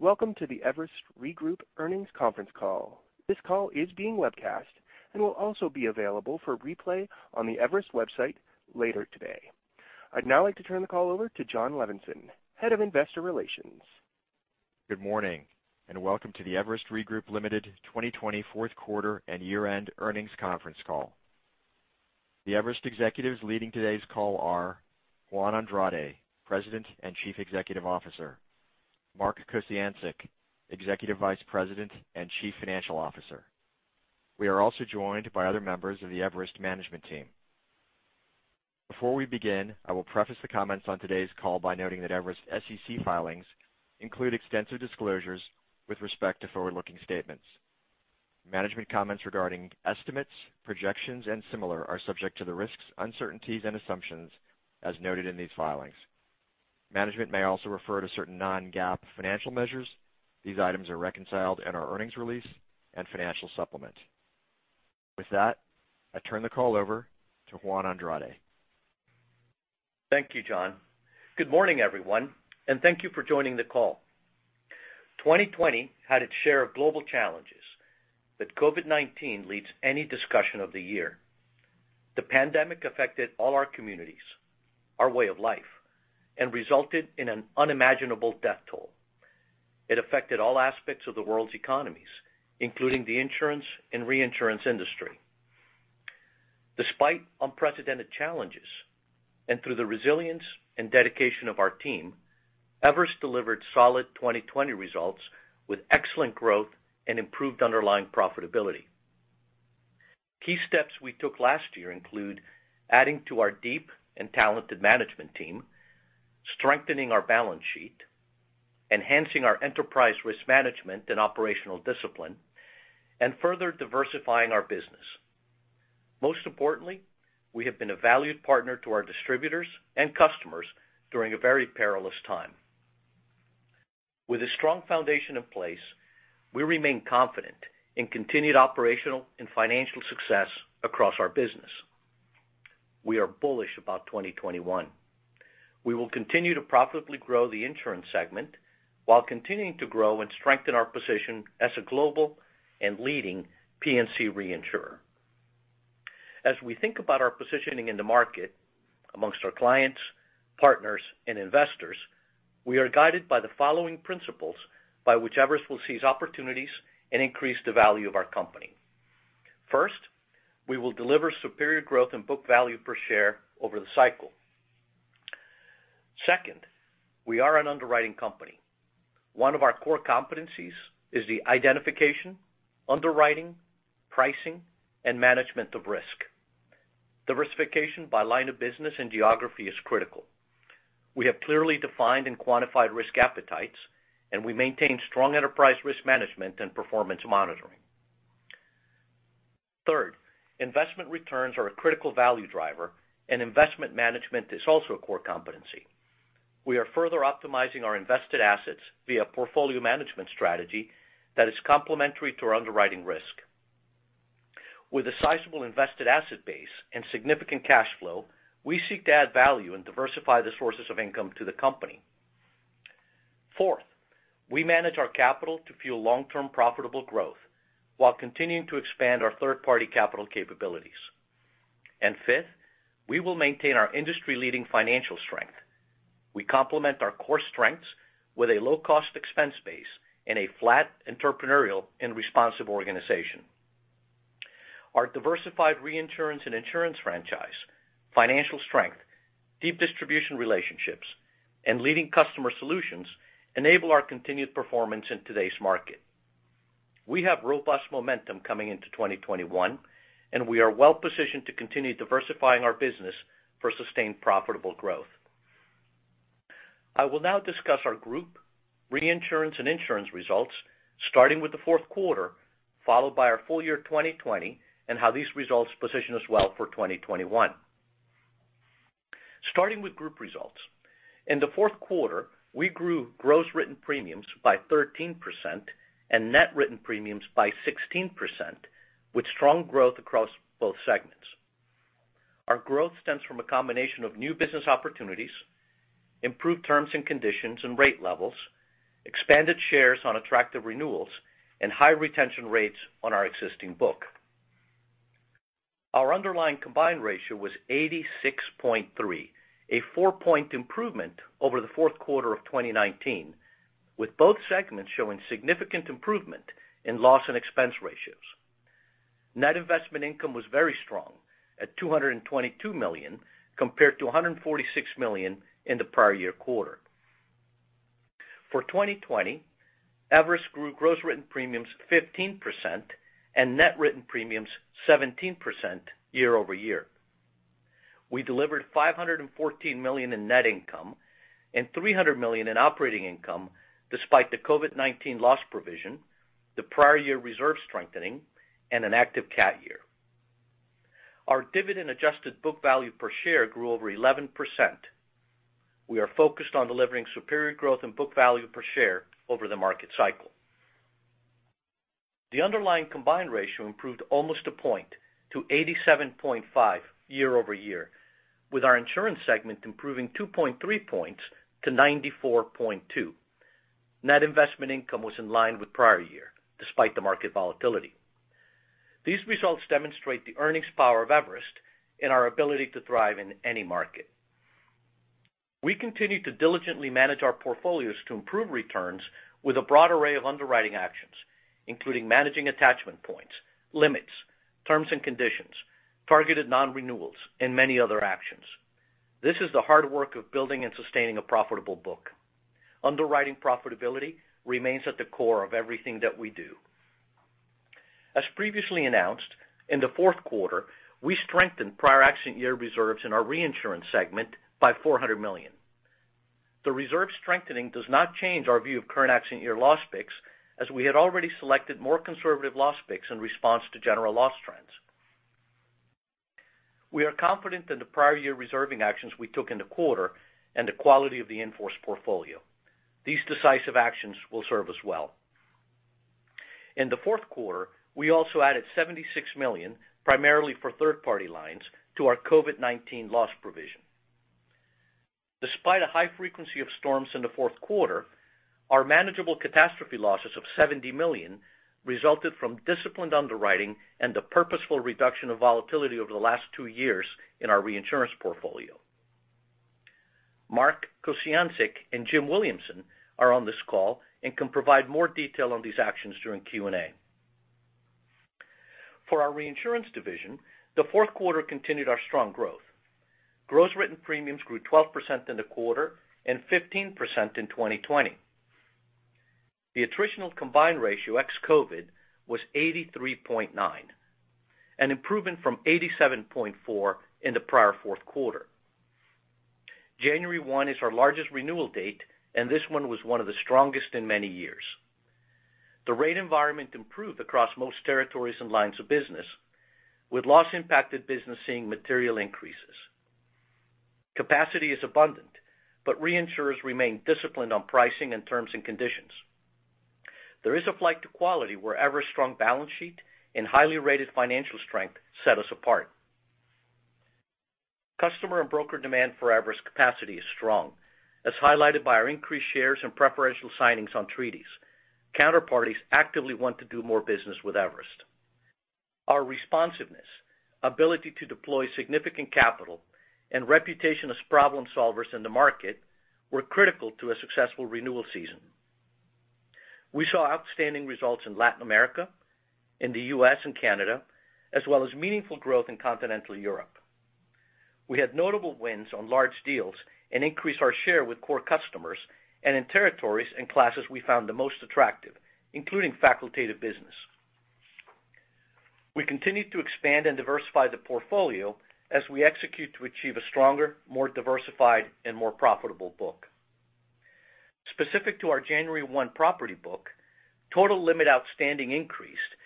Welcome to the Everest Re Group Earnings conference call. This call is being webcast and will also be available for replay on the Everest website later today. I'd now like to turn the call over to Jon Levenson, Head of Investor Relations. Good morning. Welcome to the Everest Re Group, Limited 2020 fourth quarter and year-end earnings conference call. The Everest executives leading today's call are Juan Andrade, President and Chief Executive Officer, Mark Kociancic, Executive Vice President and Chief Financial Officer. We are also joined by other members of the Everest management team. Before we begin, I will preface the comments on today's call by noting that Everest SEC filings include extensive disclosures with respect to forward-looking statements. Management comments regarding estimates, projections, and similar are subject to the risks, uncertainties, and assumptions as noted in these filings. Management may also refer to certain non-GAAP financial measures. These items are reconciled in our earnings release and financial supplement. With that, I turn the call over to Juan Andrade. Thank you, Jon. Good morning, everyone, and thank you for joining the call. 2020 had its share of global challenges, but COVID-19 leads any discussion of the year. The pandemic affected all our communities, our way of life, and resulted in an unimaginable death toll. It affected all aspects of the world's economies, including the insurance and reinsurance industry. Despite unprecedented challenges and through the resilience and dedication of our team, Everest delivered solid 2020 results with excellent growth and improved underlying profitability. Key steps we took last year include adding to our deep and talented management team, strengthening our balance sheet, enhancing our enterprise risk management and operational discipline, and further diversifying our business. Most importantly, we have been a valued partner to our distributors and customers during a very perilous time. With a strong foundation in place, we remain confident in continued operational and financial success across our business. We are bullish about 2021. We will continue to profitably grow the insurance segment while continuing to grow and strengthen our position as a global and leading P&C reinsurer. As we think about our positioning in the market amongst our clients, partners, and investors, we are guided by the following principles by which Everest will seize opportunities and increase the value of our company. First, we will deliver superior growth in book value per share over the cycle. Second, we are an underwriting company. One of our core competencies is the identification, underwriting, pricing, and management of risk. Diversification by line of business and geography is critical. We have clearly defined and quantified risk appetites, and we maintain strong enterprise risk management and performance monitoring. Third, investment returns are a critical value driver, and investment management is also a core competency. We are further optimizing our invested assets via portfolio management strategy that is complementary to our underwriting risk. With a sizable invested asset base and significant cash flow, we seek to add value and diversify the sources of income to the company. Fourth, we manage our capital to fuel long-term profitable growth while continuing to expand our third-party capital capabilities. Fifth, we will maintain our industry-leading financial strength. We complement our core strengths with a low-cost expense base and a flat entrepreneurial and responsive organization. Our diversified reinsurance and insurance franchise, financial strength, deep distribution relationships, and leading customer solutions enable our continued performance in today's market. We have robust momentum coming into 2021, and we are well-positioned to continue diversifying our business for sustained profitable growth. I will now discuss our group reinsurance and insurance results, starting with the fourth quarter, followed by our full year 2020, and how these results position us well for 2021. Starting with group results. In the fourth quarter, we grew gross written premiums by 13% and net written premiums by 16%, with strong growth across both segments. Our growth stems from a combination of new business opportunities, improved terms and conditions and rate levels, expanded shares on attractive renewals, and high retention rates on our existing book. Our underlying combined ratio was 86.3, a four-point improvement over the fourth quarter of 2019, with both segments showing significant improvement in loss and expense ratios. Net investment income was very strong at $222 million, compared to $146 million in the prior year quarter. For 2020, Everest grew gross written premiums 15% and net written premiums 17% year-over-year. We delivered $514 million in net income and $300 million in operating income, despite the COVID-19 loss provision, the prior year reserve strengthening, and an active cat year. Our dividend-adjusted book value per share grew over 11%. We are focused on delivering superior growth in book value per share over the market cycle. The underlying combined ratio improved almost a point to 87.5 year-over-year, with our insurance segment improving 2.3 points to 94.2. Net investment income was in line with prior year, despite the market volatility. These results demonstrate the earnings power of Everest and our ability to thrive in any market. We continue to diligently manage our portfolios to improve returns with a broad array of underwriting actions, including managing attachment points, limits, terms and conditions, targeted non-renewals, and many other actions. This is the hard work of building and sustaining a profitable book. Underwriting profitability remains at the core of everything that we do. As previously announced, in the fourth quarter, we strengthened prior accident year reserves in our reinsurance segment by $400 million. The reserve strengthening does not change our view of current accident year loss picks, as we had already selected more conservative loss picks in response to general loss trends. We are confident in the prior year reserving actions we took in the quarter and the quality of the in-force portfolio. These decisive actions will serve us well. In the fourth quarter, we also added $76 million, primarily for third-party lines, to our COVID-19 loss provision. Despite a high frequency of storms in the fourth quarter, our manageable catastrophe losses of $70 million resulted from disciplined underwriting and the purposeful reduction of volatility over the last two years in our reinsurance portfolio. Mark Kociancic and Jim Williamson are on this call and can provide more detail on these actions during Q&A. For our reinsurance division, the fourth quarter continued our strong growth. Gross written premiums grew 12% in the quarter and 15% in 2020. The attritional combined ratio ex-COVID was 83.9, an improvement from 87.4 in the prior fourth quarter. January 1 is our largest renewal date, and this one was one of the strongest in many years. The rate environment improved across most territories and lines of business, with loss-impacted business seeing material increases. Capacity is abundant, but reinsurers remain disciplined on pricing and terms and conditions. There is a flight to quality where Everest's strong balance sheet and highly rated financial strength set us apart. Customer and broker demand for Everest capacity is strong, as highlighted by our increased shares and preferential signings on treaties. Counterparties actively want to do more business with Everest. Our responsiveness, ability to deploy significant capital, and reputation as problem solvers in the market were critical to a successful renewal season. We saw outstanding results in Latin America, in the U.S. and Canada, as well as meaningful growth in continental Europe. We had notable wins on large deals and increased our share with core customers and in territories and classes we found the most attractive, including facultative business. We continue to expand and diversify the portfolio as we execute to achieve a stronger, more diversified, and more profitable book. Specific to our January 1 property book, total limit outstanding increased,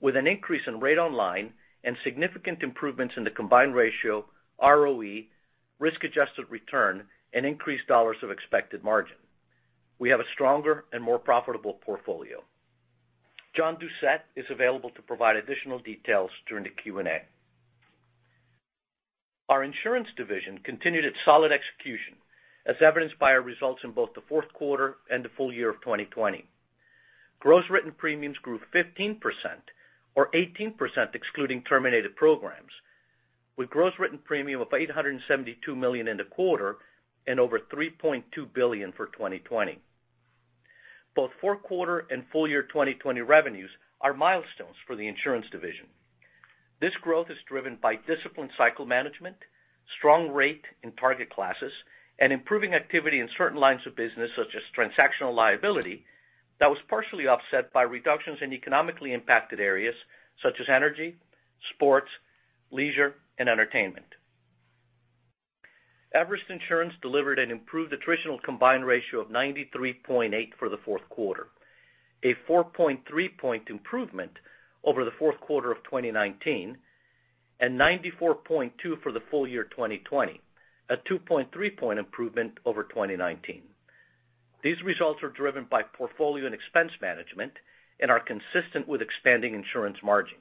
with an increase in rate on line and significant improvements in the combined ratio, ROE, risk-adjusted return, and increased dollars of expected margin. We have a stronger and more profitable portfolio. John Doucette is available to provide additional details during the Q&A. Our insurance division continued its solid execution, as evidenced by our results in both the fourth quarter and the full year of 2020. Gross written premiums grew 15%, or 18% excluding terminated programs, with gross written premium of $872 million in the quarter and over $3.2 billion for 2020. Both fourth quarter and full year 2020 revenues are milestones for the insurance division. This growth is driven by disciplined cycle management, strong rate in target classes, and improving activity in certain lines of business, such as transactional liability, that was partially offset by reductions in economically impacted areas such as energy, sports, leisure, and entertainment. Everest Insurance delivered an improved attritional combined ratio of 93.8 for the fourth quarter, a 4.3-point improvement over the fourth quarter of 2019, and 94.2 for the full year 2020, a 2.3-point improvement over 2019. These results are driven by portfolio and expense management and are consistent with expanding insurance margins.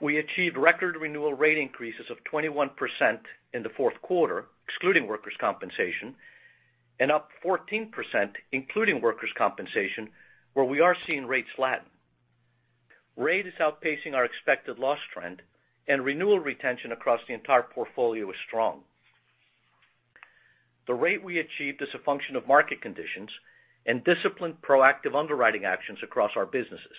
We achieved record renewal rate increases of 21% in the fourth quarter, excluding workers' compensation, and up 14%, including workers' compensation, where we are seeing rates flatten. Rate is outpacing our expected loss trend, and renewal retention across the entire portfolio is strong. The rate we achieved is a function of market conditions and disciplined, proactive underwriting actions across our businesses.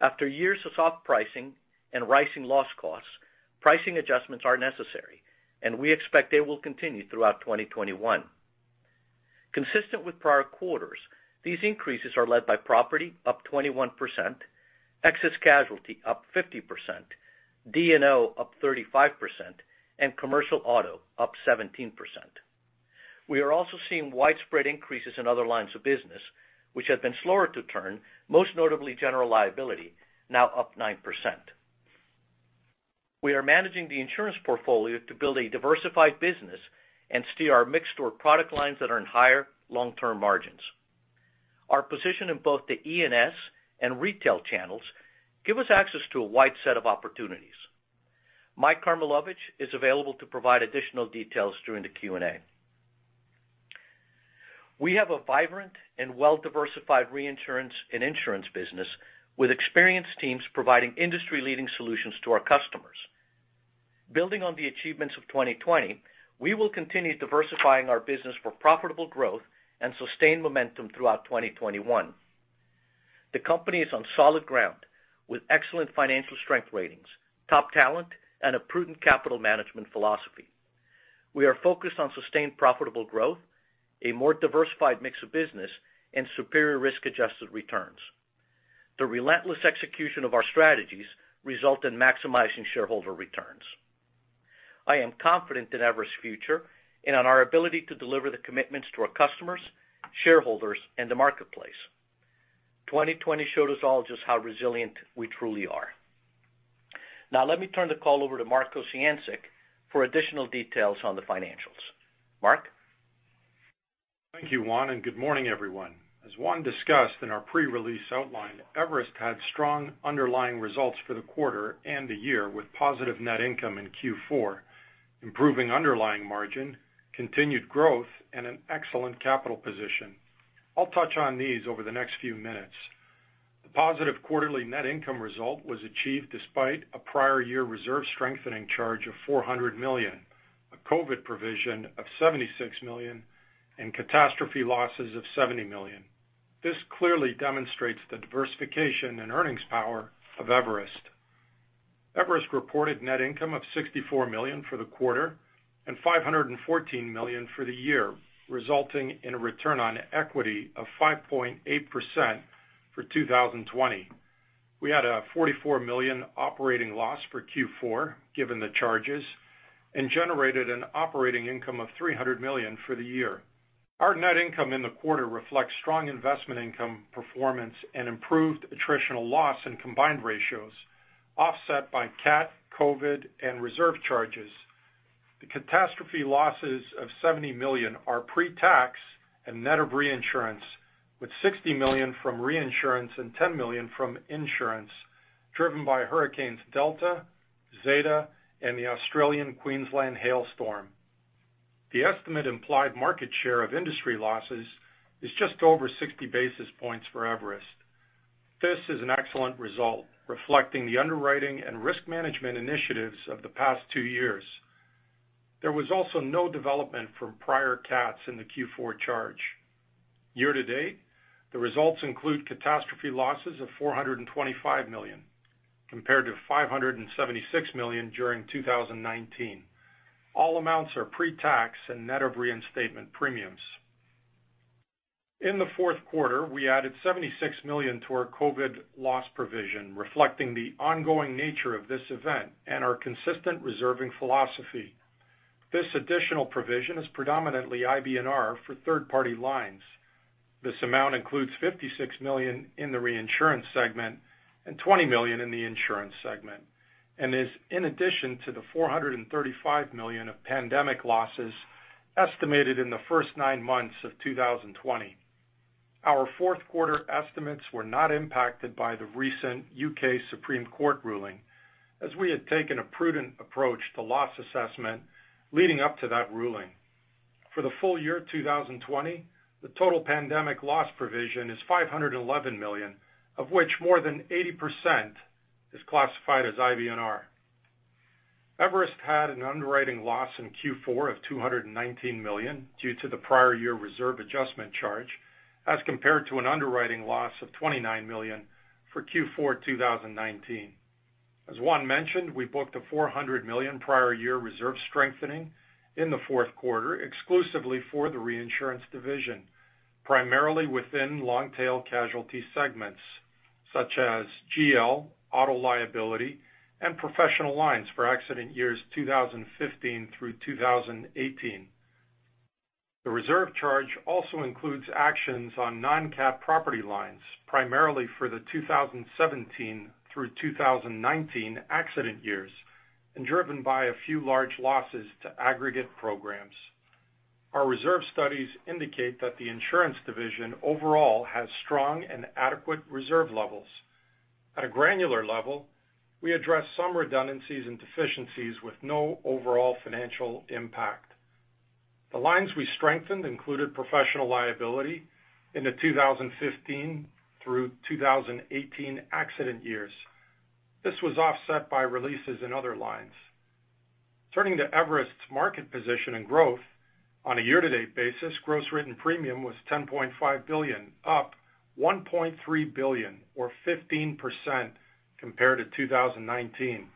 After years of soft pricing and rising loss costs, pricing adjustments are necessary, and we expect they will continue throughout 2021. Consistent with prior quarters, these increases are led by property, up 21%, excess casualty, up 50%, D&O, up 35%, and commercial auto, up 17%. We are also seeing widespread increases in other lines of business, which have been slower to turn, most notably general liability, now up 9%. We are managing the insurance portfolio to build a diversified business and steer our mix toward product lines that earn higher long-term margins. Our position in both the E&S and retail channels give us access to a wide set of opportunities. Mike Karmilowicz is available to provide additional details during the Q&A. We have a vibrant and well-diversified reinsurance and insurance business with experienced teams providing industry-leading solutions to our customers. Building on the achievements of 2020, we will continue diversifying our business for profitable growth and sustained momentum throughout 2021. The company is on solid ground with excellent financial strength ratings, top talent, and a prudent capital management philosophy. We are focused on sustained profitable growth, a more diversified mix of business, and superior risk-adjusted returns. The relentless execution of our strategies result in maximizing shareholder returns. I am confident in Everest's future and on our ability to deliver the commitments to our customers, shareholders, and the marketplace. 2020 showed us all just how resilient we truly are. Now let me turn the call over to Mark Kociancic for additional details on the financials. Mark? Thank you, Juan. Good morning, everyone. As Juan discussed in our pre-release outline, Everest had strong underlying results for the quarter and the year with positive net income in Q4, improving underlying margin, continued growth, and an excellent capital position. I'll touch on these over the next few minutes. The positive quarterly net income result was achieved despite a prior year reserve strengthening charge of $400 million, a COVID provision of $76 million, and catastrophe losses of $70 million. This clearly demonstrates the diversification and earnings power of Everest. Everest reported net income of $64 million for the quarter and $514 million for the year, resulting in a return on equity of 5.8% for 2020. We had a $44 million operating loss for Q4, given the charges, and generated an operating income of $300 million for the year. Our net income in the quarter reflects strong investment income performance and improved attritional loss and combined ratios, offset by cat, COVID, and reserve charges. The catastrophe losses of $70 million are pre-tax and net of reinsurance, with $60 million from reinsurance and $10 million from insurance, driven by hurricanes Delta, Zeta, and the Australian Queensland hailstorm. The estimate implied market share of industry losses is just over 60 basis points for Everest. This is an excellent result, reflecting the underwriting and risk management initiatives of the past two years. There was also no development from prior cats in the Q4 charge. Year to date, the results include catastrophe losses of $425 million, compared to $576 million during 2019. All amounts are pre-tax and net of reinstatement premiums. In the fourth quarter, we added $76 million to our COVID loss provision, reflecting the ongoing nature of this event and our consistent reserving philosophy. This additional provision is predominantly IBNR for third-party lines. This amount includes $56 million in the reinsurance segment and $20 million in the insurance segment, and is in addition to the $435 million of pandemic losses estimated in the first nine months of 2020. Our fourth quarter estimates were not impacted by the recent U.K. Supreme Court ruling, as we had taken a prudent approach to loss assessment leading up to that ruling. For the full year 2020, the total pandemic loss provision is $511 million, of which more than 80% is classified as IBNR. Everest had an underwriting loss in Q4 of $219 million due to the prior year reserve adjustment charge, as compared to an underwriting loss of $29 million for Q4 2019. As Juan mentioned, we booked a $400 million prior year reserve strengthening in the fourth quarter, exclusively for the Reinsurance Division, primarily within long-tail casualty segments, such as GL, auto liability, and professional lines for accident years 2015 through 2018. The reserve charge also includes actions on non-cat property lines, primarily for the 2017 through 2019 accident years and driven by a few large losses to aggregate programs. Our reserve studies indicate that the Insurance Division overall has strong and adequate reserve levels. At a granular level, we address some redundancies and deficiencies with no overall financial impact. The lines we strengthened included professional liability in the 2015 through 2018 accident years. This was offset by releases in other lines. Turning to Everest's market position and growth. On a year-to-date basis, gross written premium was $10.5 billion, up $1.3 billion or 15% compared to 2019.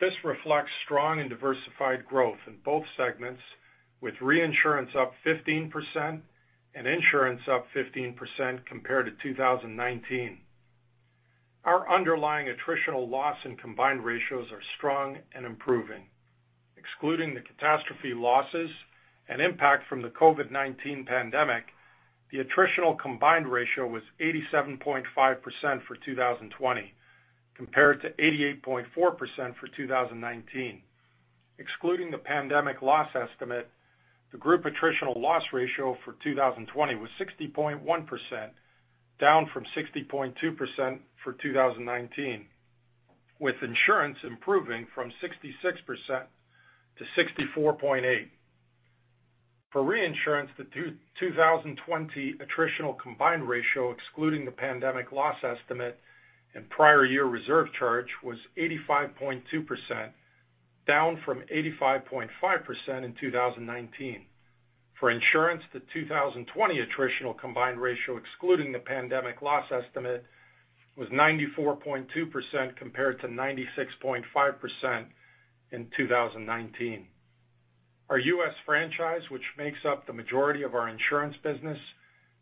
This reflects strong and diversified growth in both segments, with reinsurance up 15% and insurance up 15% compared to 2019. Our underlying attritional loss and combined ratios are strong and improving. Excluding the catastrophe losses and impact from the COVID-19 pandemic, the attritional combined ratio was 87.5% for 2020 compared to 88.4% for 2019. Excluding the pandemic loss estimate, the group attritional loss ratio for 2020 was 60.1%, down from 60.2% for 2019, with insurance improving from 66%-64.8%. For reinsurance, the 2020 attritional combined ratio, excluding the pandemic loss estimate and prior year reserve charge, was 85.2%, down from 85.5% in 2019. For insurance, the 2020 attritional combined ratio, excluding the pandemic loss estimate, was 94.2% compared to 96.5% in 2019. Our U.S. franchise, which makes up the majority of our insurance business,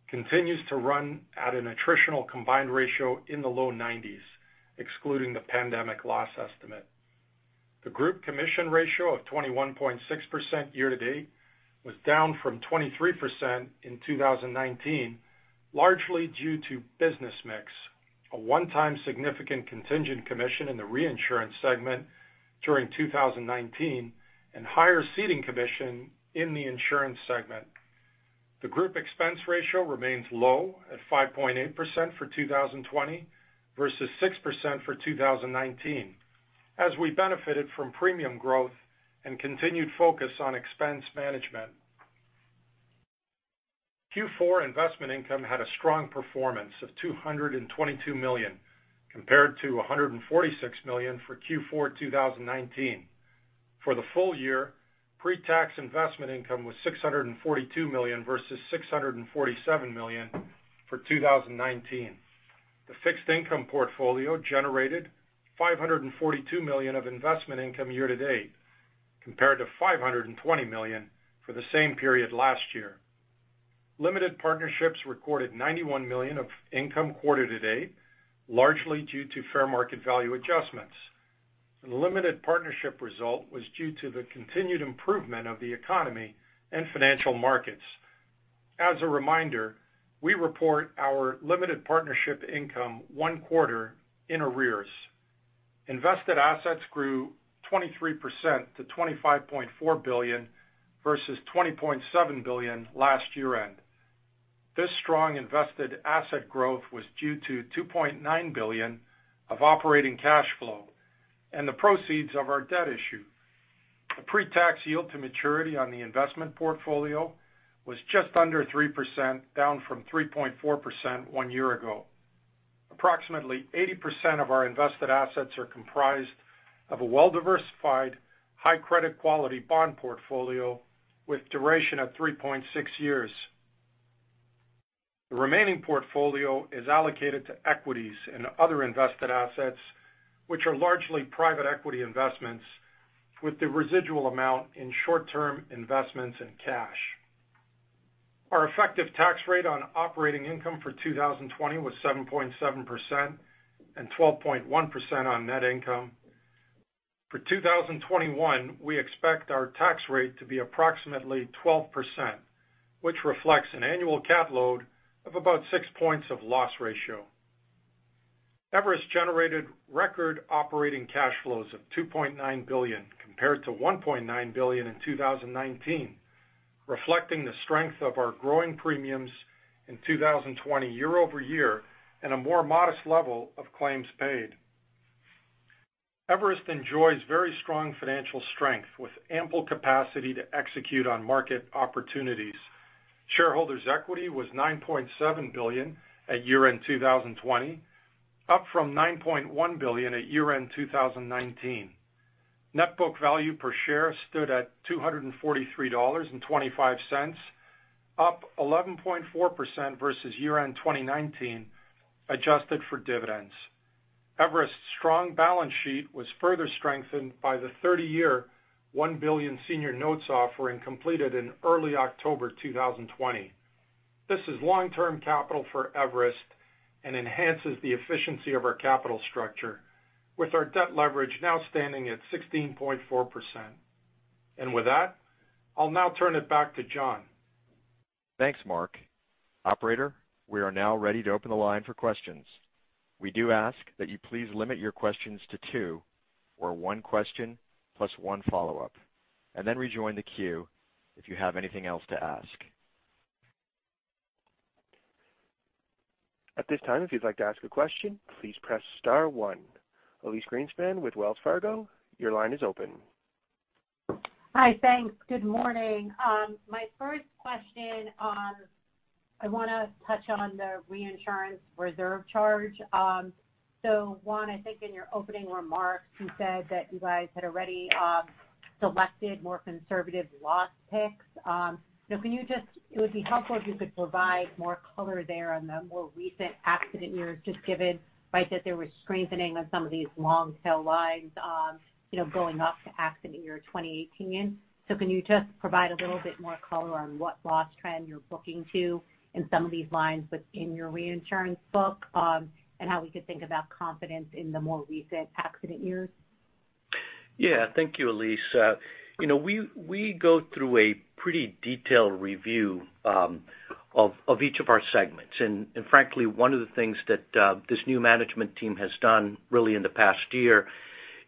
continues to run at an attritional combined ratio in the low 90%s, excluding the pandemic loss estimate. The group commission ratio of 21.6% year-to-date was down from 23% in 2019, largely due to business mix, a one-time significant contingent commission in the reinsurance segment during 2019, and higher ceding commission in the insurance segment. The group expense ratio remains low at 5.8% for 2020 versus 6% for 2019, as we benefited from premium growth and continued focus on expense management. Q4 investment income had a strong performance of $222 million, compared to $146 million for Q4 2019. For the full year, pre-tax investment income was $642 million versus $647 million for 2019. The fixed income portfolio generated $542 million of investment income year-to-date, compared to $520 million for the same period last year. Limited partnerships recorded $91 million of income quarter to date, largely due to fair market value adjustments. The limited partnership result was due to the continued improvement of the economy and financial markets. As a reminder, we report our limited partnership income one quarter in arrears. Invested assets grew 23% to $25.4 billion versus $20.7 billion last year-end. This strong invested asset growth was due to $2.9 billion of operating cash flow and the proceeds of our debt issue. The pre-tax yield to maturity on the investment portfolio was just under 3%, down from 3.4% one year ago. Approximately 80% of our invested assets are comprised of a well-diversified, high credit quality bond portfolio with duration of 3.6 years. The remaining portfolio is allocated to equities and other invested assets, which are largely private equity investments, with the residual amount in short-term investments and cash. Our effective tax rate on operating income for 2020 was 7.7% and 12.1% on net income. For 2021, we expect our tax rate to be approximately 12%, which reflects an annual cat load of about six points of loss ratio. Everest generated record operating cash flows of $2.9 billion compared to $1.9 billion in 2019, reflecting the strength of our growing premiums in 2020 year-over-year and a more modest level of claims paid. Everest enjoys very strong financial strength with ample capacity to execute on market opportunities. Shareholders' equity was $9.7 billion at year-end 2020, up from $9.1 billion at year-end 2019. Net book value per share stood at $243.25, up 11.4% versus year-end 2019, adjusted for dividends. Everest's strong balance sheet was further strengthened by the 30-year, $1 billion senior notes offering completed in early October 2020. This is long-term capital for Everest and enhances the efficiency of our capital structure, with our debt leverage now standing at 16.4%. With that, I'll now turn it back to Jon. Thanks, Mark. Operator, we are now ready to open the line for questions. We do ask that you please limit your questions to two, or one question plus one follow-up, and then rejoin the queue if you have anything else to ask. At this time, if you'd like to ask a question, please press star one. Elyse Greenspan with Wells Fargo, your line is open. Hi, thanks. Good morning. My first question, I want to touch on the reinsurance reserve charge. One, I think in your opening remarks, you said that you guys had already selected more conservative loss picks. It would be helpful if you could provide more color there on the more recent accident years, just given that there was strengthening on some of these long-tail lines, building up to accident year 2018. Can you just provide a little bit more color on what loss trend you're booking to in some of these lines within your reinsurance book, and how we could think about confidence in the more recent accident years? Thank you, Elyse. We go through a pretty detailed review of each of our segments. Frankly, one of the things that this new management team has done in the past year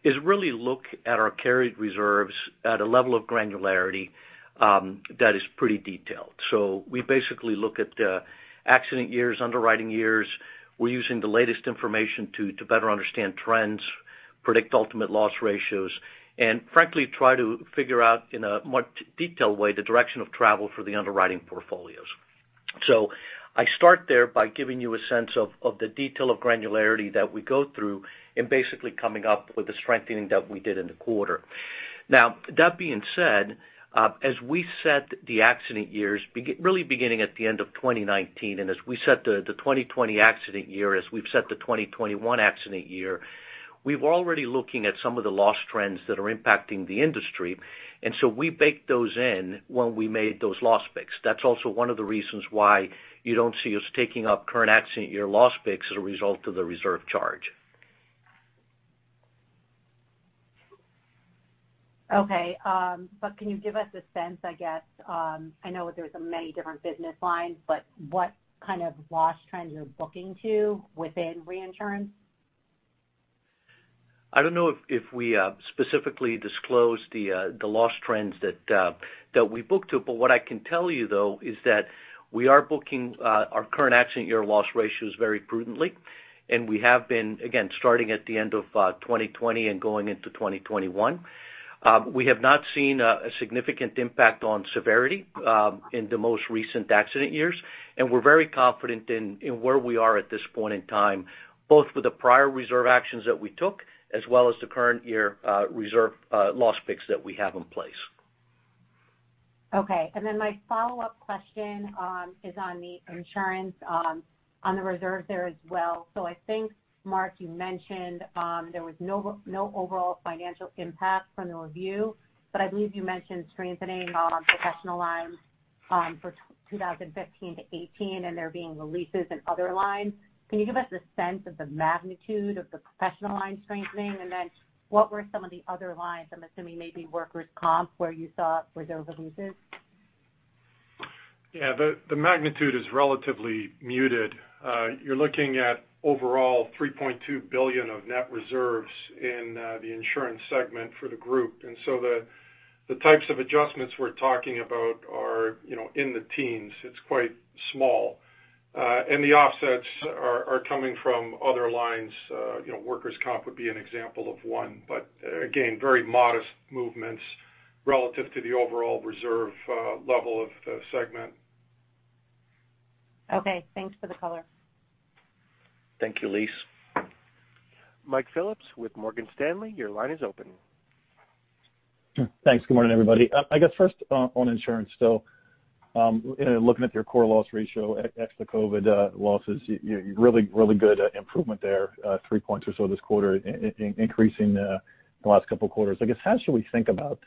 is look at our carried reserves at a level of granularity that is pretty detailed. We basically look at the accident years, underwriting years. We're using the latest information to better understand trends, predict ultimate loss ratios, and frankly, try to figure out in a much detailed way the direction of travel for the underwriting portfolios. I start there by giving you a sense of the detail of granularity that we go through and basically coming up with the strengthening that we did in the quarter. Now, that being said, as we set the accident years, really beginning at the end of 2019, as we set the 2020 accident year, as we've set the 2021 accident year, we've already looking at some of the loss trends that are impacting the industry, we baked those in when we made those loss picks. That's also one of the reasons why you don't see us taking up current accident year loss picks as a result of the reserve charge. Okay. Can you give us a sense, I guess, I know there's many different business lines, but what kind of loss trends you're booking to within reinsurance? I don't know if we specifically disclosed the loss trends that we booked to. What I can tell you though is that we are booking our current accident year loss ratios very prudently, and we have been, again, starting at the end of 2020 and going into 2021. We have not seen a significant impact on severity in the most recent accident years. We're very confident in where we are at this point in time, both with the prior reserve actions that we took, as well as the current year reserve loss picks that we have in place. Okay. My follow-up question is on the insurance, on the reserve there as well. I think, Mark, you mentioned there was no overall financial impact from the review, but I believe you mentioned strengthening on professional lines for 2015-2018 and there being releases in other lines. Can you give us a sense of the magnitude of the professional line strengthening? What were some of the other lines, I'm assuming maybe workers' comp, where you saw those releases? Yeah. The magnitude is relatively muted. You're looking at overall $3.2 billion of net reserves in the insurance segment for the group. The types of adjustments we're talking about are in the teens. It's quite small. The offsets are coming from other lines. Workers' comp would be an example of one. Again, very modest movements relative to the overall reserve level of the segment. Okay. Thanks for the color. Thank you, Elyse. Mike Phillips with Morgan Stanley, your line is open. Thanks. Good morning, everybody. I guess first on insurance still, looking at your core loss ratio ex the COVID losses, really good improvement there, three points or so this quarter, increasing the last couple of quarters. I guess, how should we think about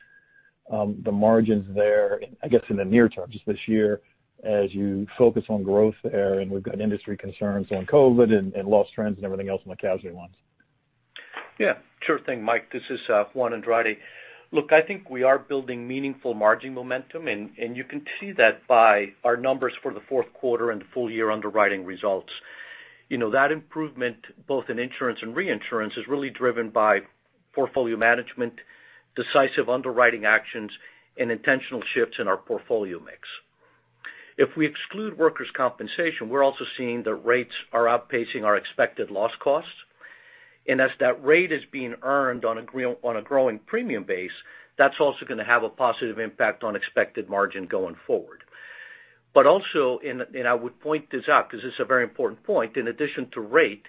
the margins there, I guess, in the near term, just this year, as you focus on growth there and we've got industry concerns on COVID and loss trends and everything else in the casualty lines? Yeah. Sure thing, Mike. This is Juan Andrade. Look, I think we are building meaningful margin momentum. You can see that by our numbers for the fourth quarter and full year underwriting results. That improvement, both in insurance and reinsurance, is really driven by portfolio management, decisive underwriting actions, and intentional shifts in our portfolio mix. If we exclude workers' compensation, we're also seeing that rates are outpacing our expected loss costs. As that rate is being earned on a growing premium base, that's also going to have a positive impact on expected margin going forward. Also, and I would point this out because this is a very important point, in addition to rate,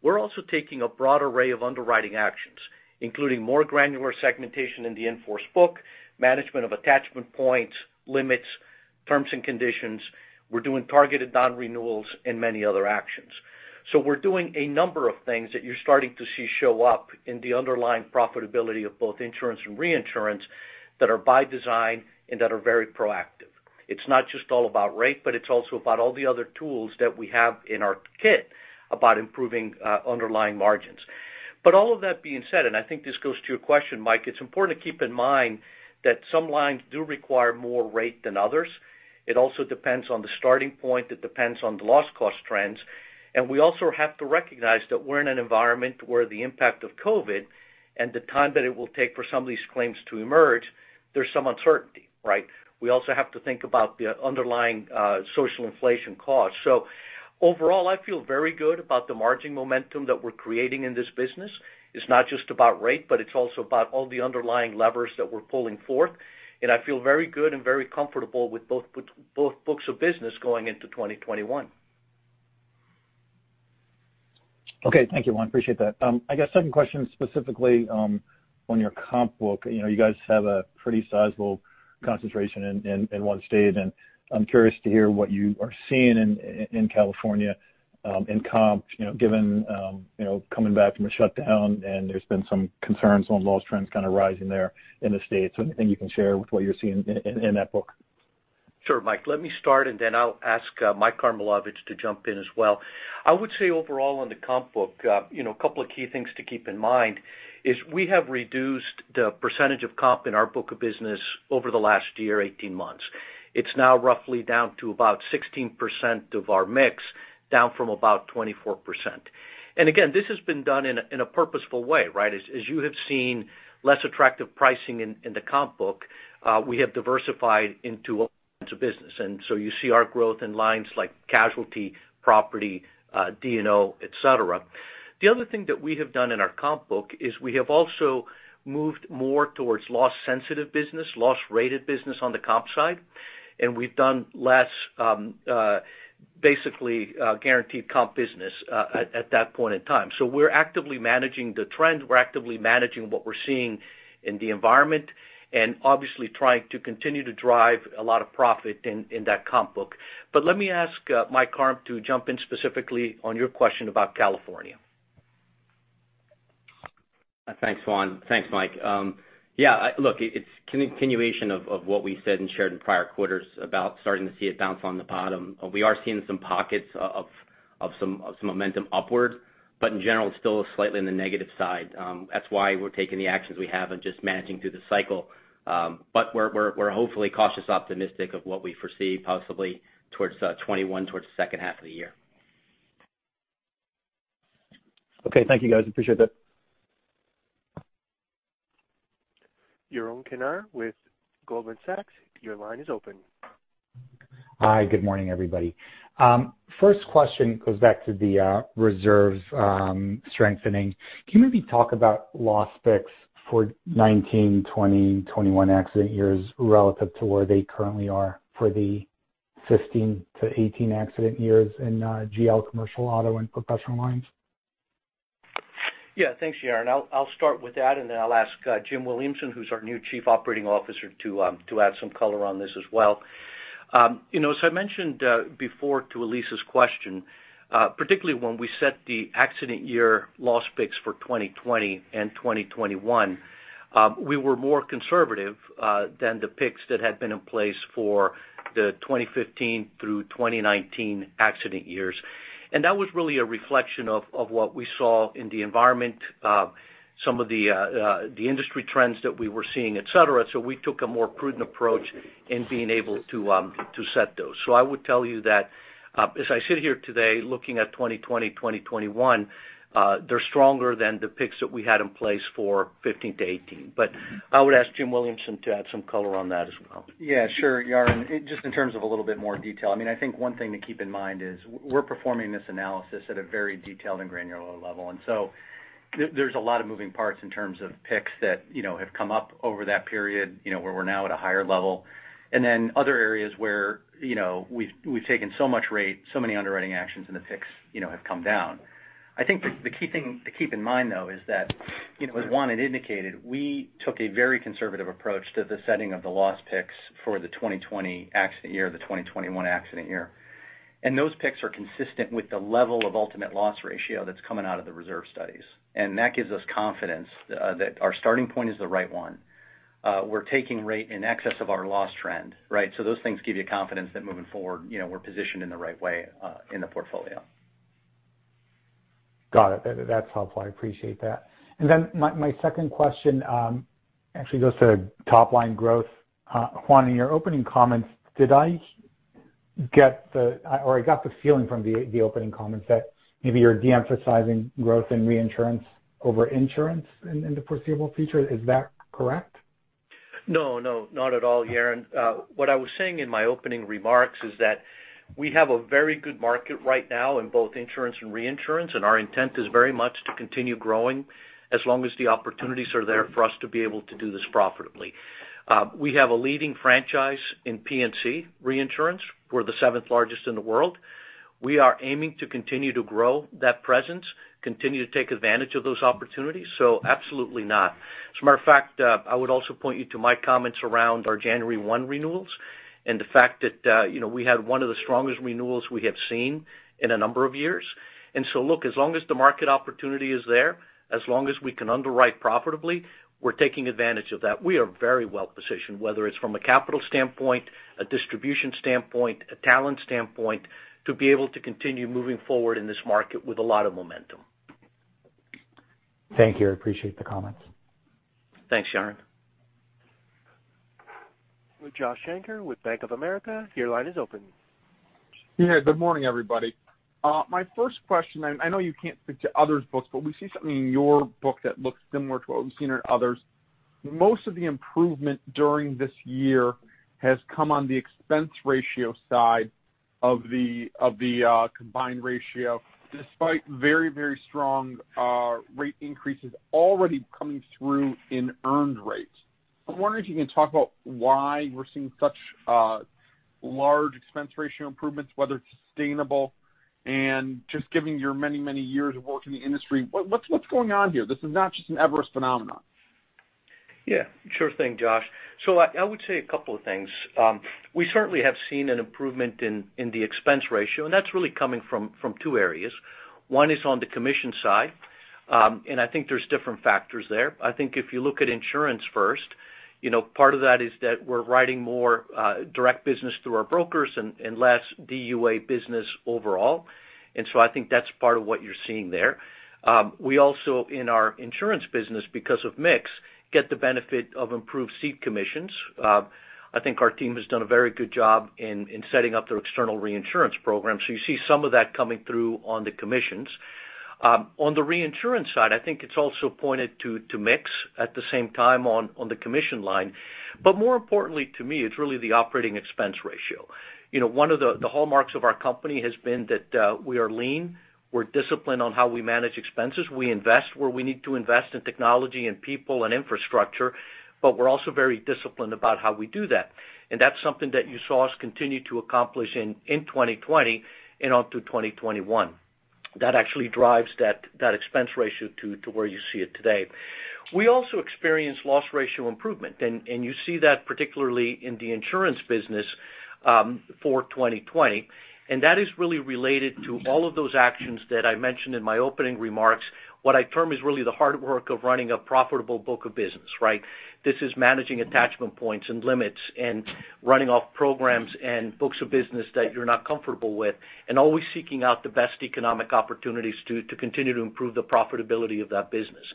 we're also taking a broad array of underwriting actions, including more granular segmentation in the in-force book, management of attachment points, limits, terms and conditions. We're doing targeted non-renewals and many other actions. We're doing a number of things that you're starting to see show up in the underlying profitability of both insurance and reinsurance that are by design and that are very proactive. It's not just all about rate, but it's also about all the other tools that we have in our kit about improving underlying margins. All of that being said, and I think this goes to your question, Mike, it's important to keep in mind that some lines do require more rate than others. It also depends on the starting point. It depends on the loss cost trends. We also have to recognize that we're in an environment where the impact of COVID and the time that it will take for some of these claims to emerge, there's some uncertainty, right? We also have to think about the underlying social inflation costs. Overall, I feel very good about the margin momentum that we're creating in this business. It's not just about rate, but it's also about all the underlying levers that we're pulling forth. I feel very good and very comfortable with both books of business going into 2021. Okay. Thank you, Juan. Appreciate that. I guess second question specifically on your comp book. You guys have a pretty sizable concentration in one state, and I'm curious to hear what you are seeing in California in comp, given coming back from a shutdown and there's been some concerns on loss trends kind of rising there in the state. Anything you can share with what you're seeing in that book? Sure, Mike. Let me start, and then I'll ask Mike Karmilowicz to jump in as well. I would say overall in the comp book, a couple of key things to keep in mind is we have reduced the percentage of comp in our book of business over the last year, 18 months. It's now roughly down to about 16% of our mix, down from about 24%. Again, this has been done in a purposeful way, right? As you have seen less attractive pricing in the comp book, we have diversified into all kinds of business. You see our growth in lines like casualty, property, D&O, et cetera. The other thing that we have done in our comp book is we have also moved more towards loss-sensitive business, loss-rated business on the comp side, and we've done less basically guaranteed comp business at that point in time. We're actively managing the trend, we're actively managing what we're seeing in the environment, and obviously trying to continue to drive a lot of profit in that comp book. Let me ask Mike Karm to jump in specifically on your question about California. Thanks, Juan. Thanks, Mike. Yeah, look, it's continuation of what we said and shared in prior quarters about starting to see it bounce on the bottom. We are seeing some pockets of some momentum upward. In general, still slightly in the negative side. That's why we're taking the actions we have and just managing through the cycle. We're hopefully cautiously optimistic of what we foresee possibly towards 2021, towards the second half of the year. Okay, thank you guys. Appreciate that. Yaron Kinar with Goldman Sachs, your line is open. Hi, good morning, everybody. First question goes back to the reserves strengthening. Can you maybe talk about loss picks for 2019, 2020, 2021 accident years relative to where they currently are for the 2015-2018 accident years in GL, Commercial Auto and Professional Lines? Yeah. Thanks, Yaron. I'll start with that, then I'll ask Jim Williamson, who's our new Chief Operating Officer, to add some color on this as well. As I mentioned before to Elyse's question, particularly when we set the accident year loss picks for 2020 and 2021, we were more conservative than the picks that had been in place for the 2015 through 2019 accident years. That was really a reflection of what we saw in the environment, some of the industry trends that we were seeing, et cetera. We took a more prudent approach in being able to set those. I would tell you that as I sit here today looking at 2020, 2021, they're stronger than the picks that we had in place for 2015-2018. I would ask Jim Williamson to add some color on that as well. Yeah, sure, Yaron. In terms of a little bit more detail, I think one thing to keep in mind is we're performing this analysis at a very detailed and granular level. There's a lot of moving parts in terms of picks that have come up over that period, where we're now at a higher level. Other areas where we've taken so much rate, so many underwriting actions, and the picks have come down. I think the key thing to keep in mind, though, is that, as Juan had indicated, we took a very conservative approach to the setting of the loss picks for the 2020 accident year, the 2021 accident year. Those picks are consistent with the level of ultimate loss ratio that's coming out of the reserve studies. That gives us confidence that our starting point is the right one. We're taking rate in excess of our loss trend, right? Those things give you confidence that moving forward, we're positioned in the right way in the portfolio. Got it. That's helpful. I appreciate that. My second question actually goes to top-line growth. Juan, in your opening comments, I got the feeling from the opening comments that maybe you're de-emphasizing growth in reinsurance over insurance in the foreseeable future. Is that correct? No, not at all, Yaron. What I was saying in my opening remarks is that we have a very good market right now in both insurance and reinsurance, and our intent is very much to continue growing as long as the opportunities are there for us to be able to do this profitably. We have a leading franchise in P&C reinsurance. We're the seventh largest in the world. We are aiming to continue to grow that presence, continue to take advantage of those opportunities. Absolutely not. As a matter of fact, I would also point you to my comments around our January 1 renewals and the fact that we had one of the strongest renewals we have seen in a number of years. Look, as long as the market opportunity is there, as long as we can underwrite profitably, we're taking advantage of that. We are very well-positioned, whether it's from a capital standpoint, a distribution standpoint, a talent standpoint, to be able to continue moving forward in this market with a lot of momentum. Thank you. I appreciate the comments. Thanks, Yaron. Josh Shanker with Bank of America, your line is open. Yeah, good morning, everybody. My first question, I know you can't speak to others' books. We see something in your book that looks similar to what we've seen in others. Most of the improvement during this year has come on the expense ratio side of the combined ratio, despite very strong rate increases already coming through in earned rates. I'm wondering if you can talk about why we're seeing such large expense ratio improvements, whether it's sustainable, and just given your many years of work in the industry, what's going on here? This is not just an Everest phenomenon. Sure thing, Josh. I would say a couple of things. We certainly have seen an improvement in the expense ratio, and that's really coming from two areas. One is on the commission side, and I think there's different factors there. I think if you look at insurance first. Part of that is that we're writing more direct business through our brokers and less DUA business overall. I think that's part of what you're seeing there. We also, in our insurance business, because of mix, get the benefit of improved cede commissions. I think our team has done a very good job in setting up their external reinsurance program, so you see some of that coming through on the commissions. On the reinsurance side, I think it's also pointed to mix at the same time on the commission line. More importantly to me, it's really the operating expense ratio. One of the hallmarks of our company has been that we are lean, we're disciplined on how we manage expenses. We invest where we need to invest in technology and people and infrastructure, but we're also very disciplined about how we do that. That's something that you saw us continue to accomplish in 2020 and onto 2021. That actually drives that expense ratio to where you see it today. We also experienced loss ratio improvement, and you see that particularly in the insurance business for 2020. That is really related to all of those actions that I mentioned in my opening remarks, what I term is really the hard work of running a profitable book of business. This is managing attachment points and limits, and running off programs and books of business that you're not comfortable with, and always seeking out the best economic opportunities to continue to improve the profitability of that business.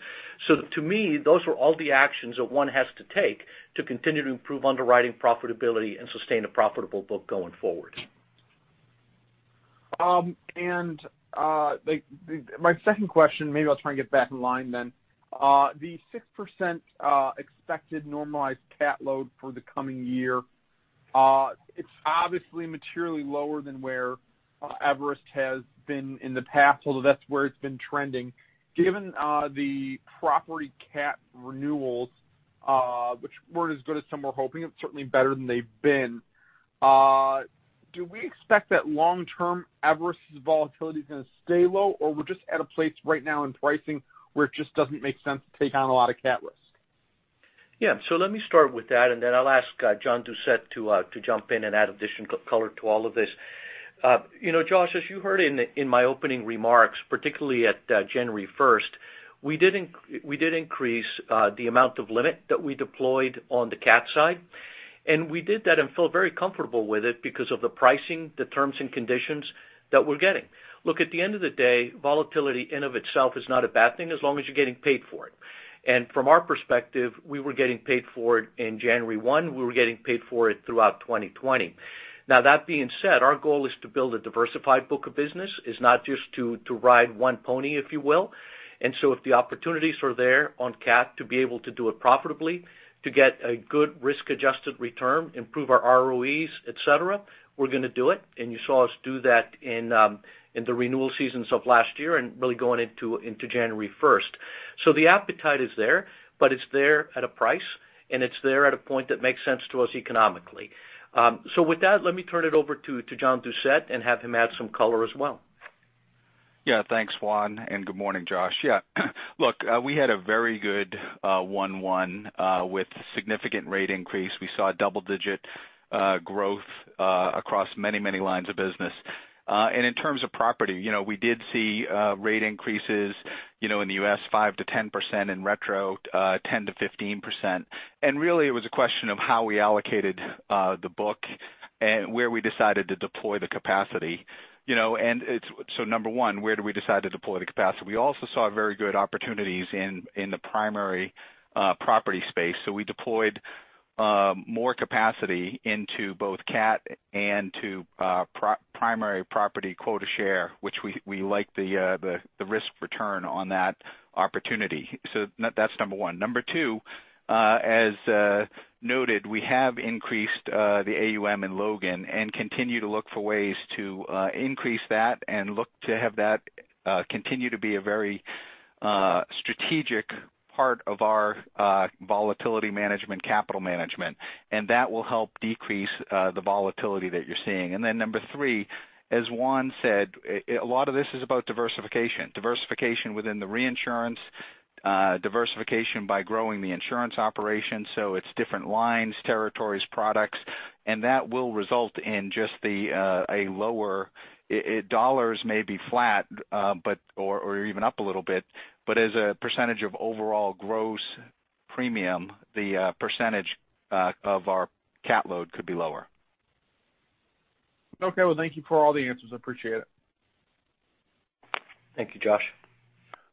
To me, those are all the actions that one has to take to continue to improve underwriting profitability and sustain a profitable book going forward. My second question, maybe I'll try and get back in line then. The 6% expected normalized cat load for the coming year, it's obviously materially lower than where Everest has been in the past, although that's where it's been trending. Given the property cat renewals, which weren't as good as some were hoping, it's certainly better than they've been. Do we expect that long-term Everest's volatility is going to stay low, or we're just at a place right now in pricing where it just doesn't make sense to take on a lot of cat risks? Yeah. Let me start with that, and then I'll ask John Doucette to jump in and add additional color to all of this. Josh, as you heard in my opening remarks, particularly at January 1st, we did increase the amount of limit that we deployed on the cat side. We did that and feel very comfortable with it because of the pricing, the terms and conditions that we're getting. Look, at the end of the day, volatility in of itself is not a bad thing as long as you're getting paid for it. From our perspective, we were getting paid for it in January 1, we were getting paid for it throughout 2020. Now, that being said, our goal is to build a diversified book of business, is not just to ride one pony, if you will. If the opportunities are there on cat to be able to do it profitably, to get a good risk-adjusted return, improve our ROEs, et cetera, we're going to do it. You saw us do that in the renewal seasons of last year and really going into January 1st. The appetite is there, but it's there at a price, and it's there at a point that makes sense to us economically. With that, let me turn it over to John Doucette and have him add some color as well. Yeah. Thanks, Juan, and good morning, Josh. Yeah. Look, we had a very good 1/1 with significant rate increase. We saw double-digit growth across many lines of business. In terms of property, we did see rate increases in the U.S. 5%-10%, in retro, 10%-15%. Really, it was a question of how we allocated the book and where we decided to deploy the capacity. Number one, where do we decide to deploy the capacity? We also saw very good opportunities in the primary property space. We deployed more capacity into both cat and to primary property quota share, which we like the risk-return on that opportunity. That's number one. Number two, as noted, we have increased the AUM in Logan and continue to look for ways to increase that and look to have that continue to be a very strategic part of our volatility management, capital management. That will help decrease the volatility that you're seeing. Then number three, as Juan said, a lot of this is about diversification. Diversification within the reinsurance, diversification by growing the insurance operations. It's different lines, territories, products, and that will result in just a lower, dollars may be flat or even up a little bit, but as a percentage of overall gross premium, the percentage of our cat load could be lower. Okay. Well, thank you for all the answers. I appreciate it. Thank you, Josh.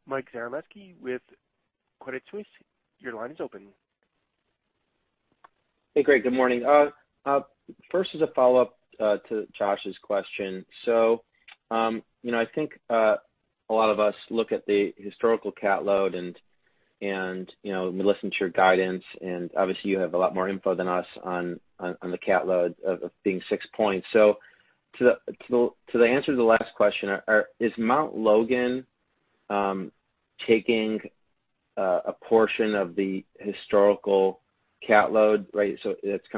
Mike Zaremski with Credit Suisse, your line is open. Hey, great. Good morning. First is a follow-up to Josh's question. I think a lot of us look at the historical cat load and we listen to your guidance, and obviously you have a lot more info than us on the cat load of being six points. To answer the last question, is Mount Logan taking a portion of the historical cat load? It's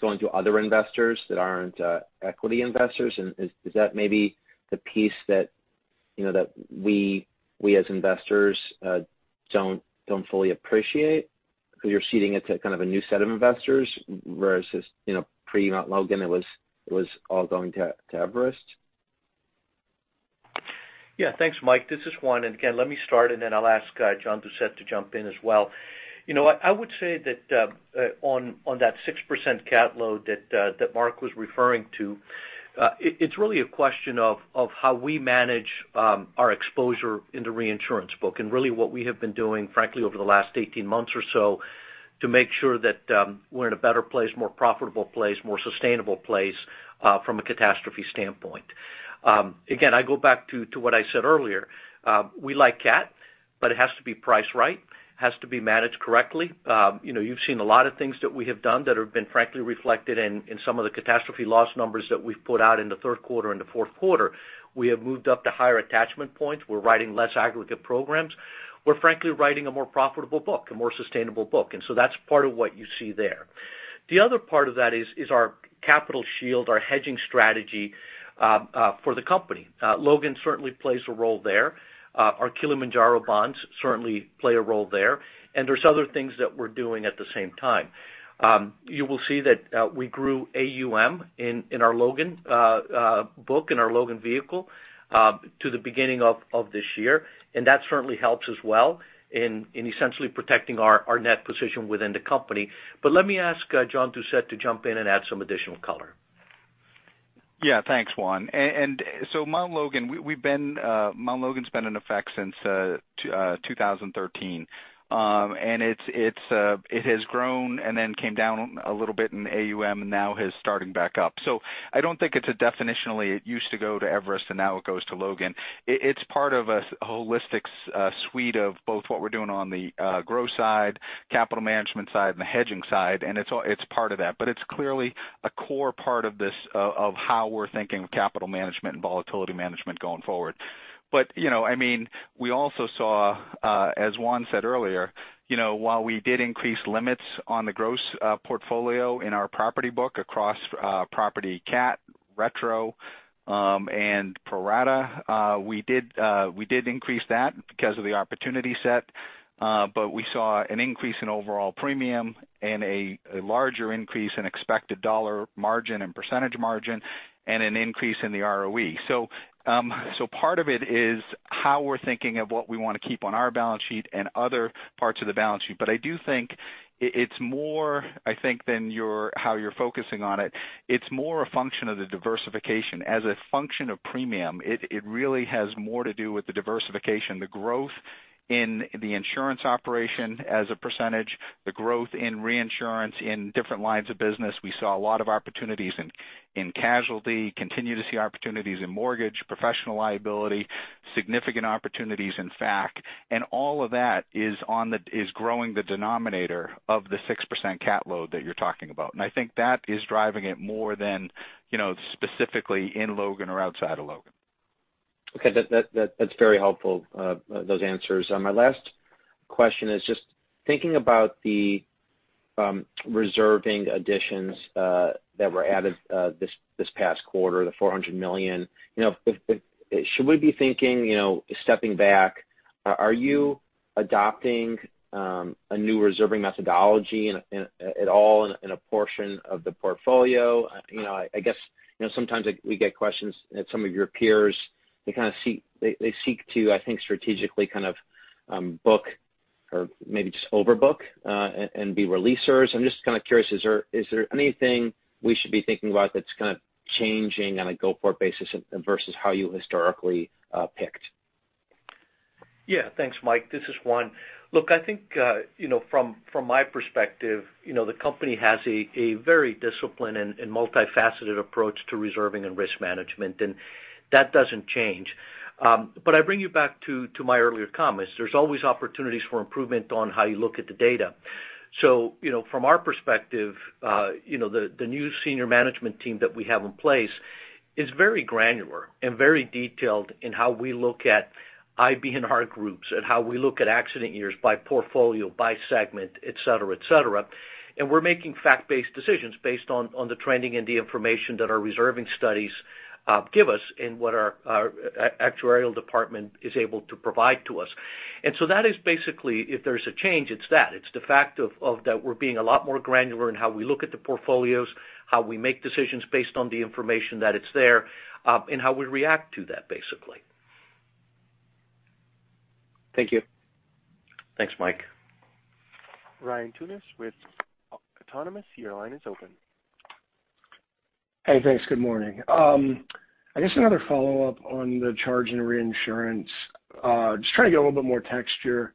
going to other investors that aren't equity investors, and is that maybe the piece that we as investors don't fully appreciate because you're ceding it to kind of a new set of investors versus pre-Mount Logan, it was all going to Everest? Yeah. Thanks, Mike. This is Juan. Again, let me start and then I'll ask John Doucette to jump in as well. I would say that on that 6% cat load that Mark was referring to, it's really a question of how we manage our exposure in the reinsurance book, and really what we have been doing, frankly, over the last 18 months or so to make sure that we're in a better place, more profitable place, more sustainable place from a catastrophe standpoint. Again, I go back to what I said earlier. We like cat, it has to be priced right, has to be managed correctly. You've seen a lot of things that we have done that have been frankly reflected in some of the catastrophe loss numbers that we've put out in the third quarter and the fourth quarter. We have moved up to higher attachment points. We're writing less aggregate programs. We're frankly writing a more profitable book, a more sustainable book. That's part of what you see there. The other part of that is our capital shield, our hedging strategy for the company. Logan certainly plays a role there. Our Kilimanjaro bonds certainly play a role there, and there's other things that we're doing at the same time. You will see that we grew AUM in our Logan book, in our Logan vehicle, to the beginning of this year, and that certainly helps as well in essentially protecting our net position within the company. Let me ask John Doucette to jump in and add some additional color. Yeah. Thanks, Juan. Mt. Logan's been in effect since 2013. It has grown and then came down a little bit in AUM, now is starting back up. I don't think it's a definitionally it used to go to Everest and now it goes to Logan. It's part of a holistic suite of both what we're doing on the growth side, capital management side and the hedging side, and it's part of that. It's clearly a core part of how we're thinking of capital management and volatility management going forward. We also saw, as Juan said earlier, while we did increase limits on the gross portfolio in our property book across property cat, retro, and pro-rata, we did increase that because of the opportunity set. We saw an increase in overall premium and a larger increase in expected dollar margin and percentage margin, and an increase in the ROE. Part of it is how we're thinking of what we want to keep on our balance sheet and other parts of the balance sheet. I do think it's more, I think than how you're focusing on it. It's more a function of the diversification. As a function of premium, it really has more to do with the diversification, the growth in the insurance operation as a percentage, the growth in reinsurance in different lines of business. We saw a lot of opportunities in casualty, continue to see opportunities in mortgage, professional liability, significant opportunities in fac. All of that is growing the denominator of the 6% cat load that you're talking about. I think that is driving it more than specifically in Logan or outside of Logan. That's very helpful, those answers. My last question is just thinking about the reserving additions that were added this past quarter, the $400 million. Should we be thinking, stepping back, are you adopting a new reserving methodology at all in a portion of the portfolio? I guess sometimes we get questions at some of your peers, they seek to, I think, strategically book or maybe just overbook and be releasers. I'm just curious, is there anything we should be thinking about that's changing on a go-forward basis versus how you historically picked? Yeah. Thanks, Mike. This is Juan. Look, I think from my perspective, the company has a very disciplined and multifaceted approach to reserving and risk management, and that doesn't change. I bring you back to my earlier comments. There's always opportunities for improvement on how you look at the data. From our perspective, the new senior management team that we have in place is very granular and very detailed in how we look at IBNR groups and how we look at accident years by portfolio, by segment, et cetera. We're making fact-based decisions based on the trending and the information that our reserving studies give us and what our actuarial department is able to provide to us. That is basically, if there's a change, it's that. It's the fact that we're being a lot more granular in how we look at the portfolios, how we make decisions based on the information that it's there, and how we react to that, basically. Thank you. Thanks, Mike. Ryan Tunis with Autonomous, your line is open. Hey, thanks. Good morning. I guess another follow-up on the charge in reinsurance. Just trying to get a little bit more texture.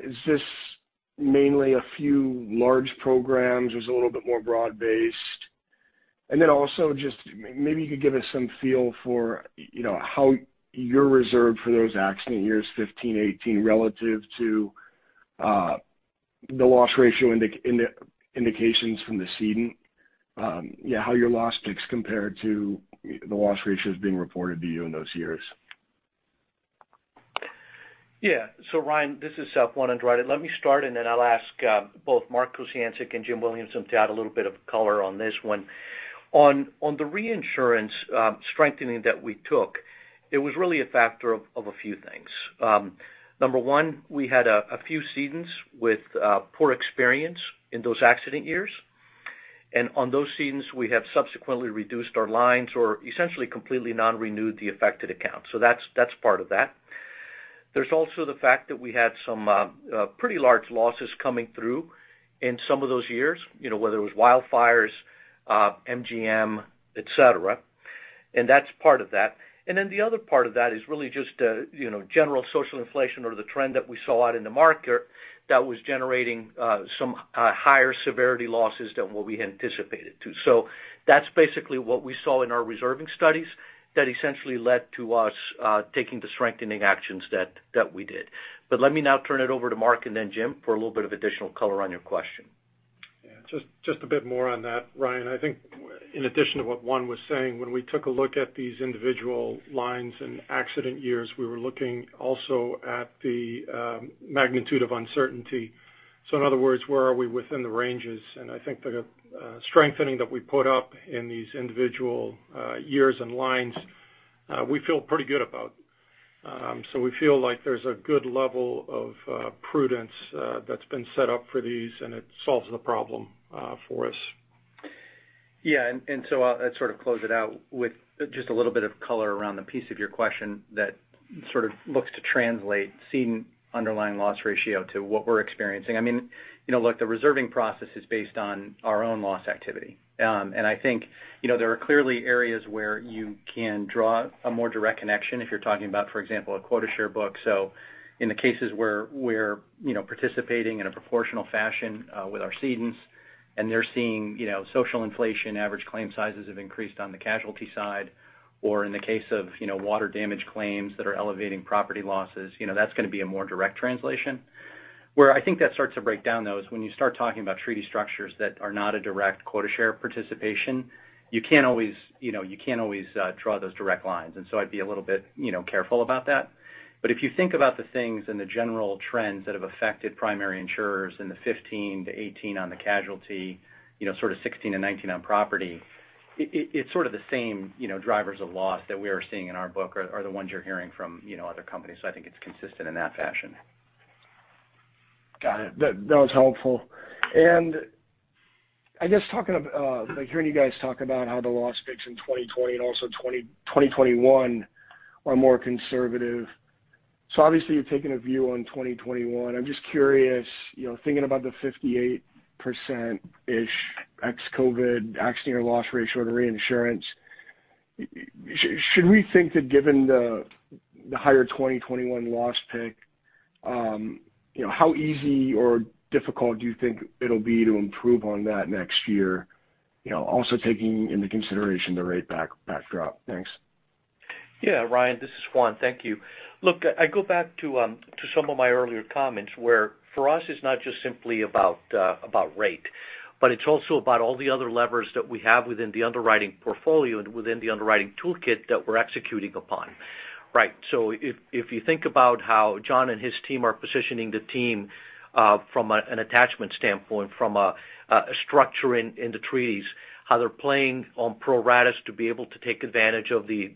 Is this mainly a few large programs or is it a little bit more broad-based? Then also just maybe you could give us some feel for how you're reserved for those accident years, 2015, 2018, relative to the loss ratio indications from the ceding. How your loss ticks compared to the loss ratios being reported to you in those years. Yeah. Ryan, this is Juan Andrade. Let me start and then I'll ask both Mark Kociancic and Jim Williamson to add a little bit of color on this one. On the reinsurance strengthening that we took, it was really a factor of a few things. Number one, we had a few cedents with poor experience in those accident years. On those cedents, we have subsequently reduced our lines or essentially completely non-renewed the affected accounts. That's part of that. There's also the fact that we had some pretty large losses coming through in some of those years, whether it was wildfires, MGM, et cetera, and that's part of that. The other part of that is really just general social inflation or the trend that we saw out in the market that was generating some higher severity losses than what we had anticipated too. That's basically what we saw in our reserving studies that essentially led to us taking the strengthening actions that we did. Let me now turn it over to Mark and then Jim for a little bit of additional color on your question. Yeah. Just a bit more on that, Ryan. I think in addition to what Juan was saying, when we took a look at these individual lines and accident years, we were looking also at the magnitude of uncertainty. In other words, where are we within the ranges? I think the strengthening that we put up in these individual years and lines, we feel pretty good about. We feel like there's a good level of prudence that's been set up for these, and it solves the problem for us. I'd sort of close it out with just a little bit of color around the piece of your question that sort of looks to translate ceding underlying loss ratio to what we're experiencing. Look, the reserving process is based on our own loss activity. I think there are clearly areas where you can draw a more direct connection if you're talking about, for example, a quota share book. In the cases where we're participating in a proportional fashion with our cedents and they're seeing social inflation, average claim sizes have increased on the casualty side, or in the case of water damage claims that are elevating property losses, that's going to be a more direct translation. Where I think that starts to break down, though, is when you start talking about treaty structures that are not a direct quota share participation, you can't always draw those direct lines, and so I'd be a little bit careful about that. If you think about the things and the general trends that have affected primary insurers in the 2015-2018 on the casualty, sort of 2016-2019 on property, it's sort of the same drivers of loss that we are seeing in our book are the ones you're hearing from other companies. I think it's consistent in that fashion. Got it. That was helpful. I guess hearing you guys talk about how the loss picks in 2020 and also 2021 are more conservative, so obviously you're taking a view on 2021. I'm just curious, thinking about the 58%-ish ex-COVID accident year loss ratio to reinsurance, should we think that given the higher 2021 loss pick, how easy or difficult do you think it'll be to improve on that next year? Also taking into consideration the rate backdrop. Thanks. Yeah, Ryan, this is Juan. Thank you. Look, I go back to some of my earlier comments where for us it's not just simply about rate, but it's also about all the other levers that we have within the underwriting portfolio and within the underwriting toolkit that we're executing upon. Right. If you think about how John and his team are positioning the team from an attachment standpoint, from a structure in the treaties, how they're playing on pro ratas to be able to take advantage of the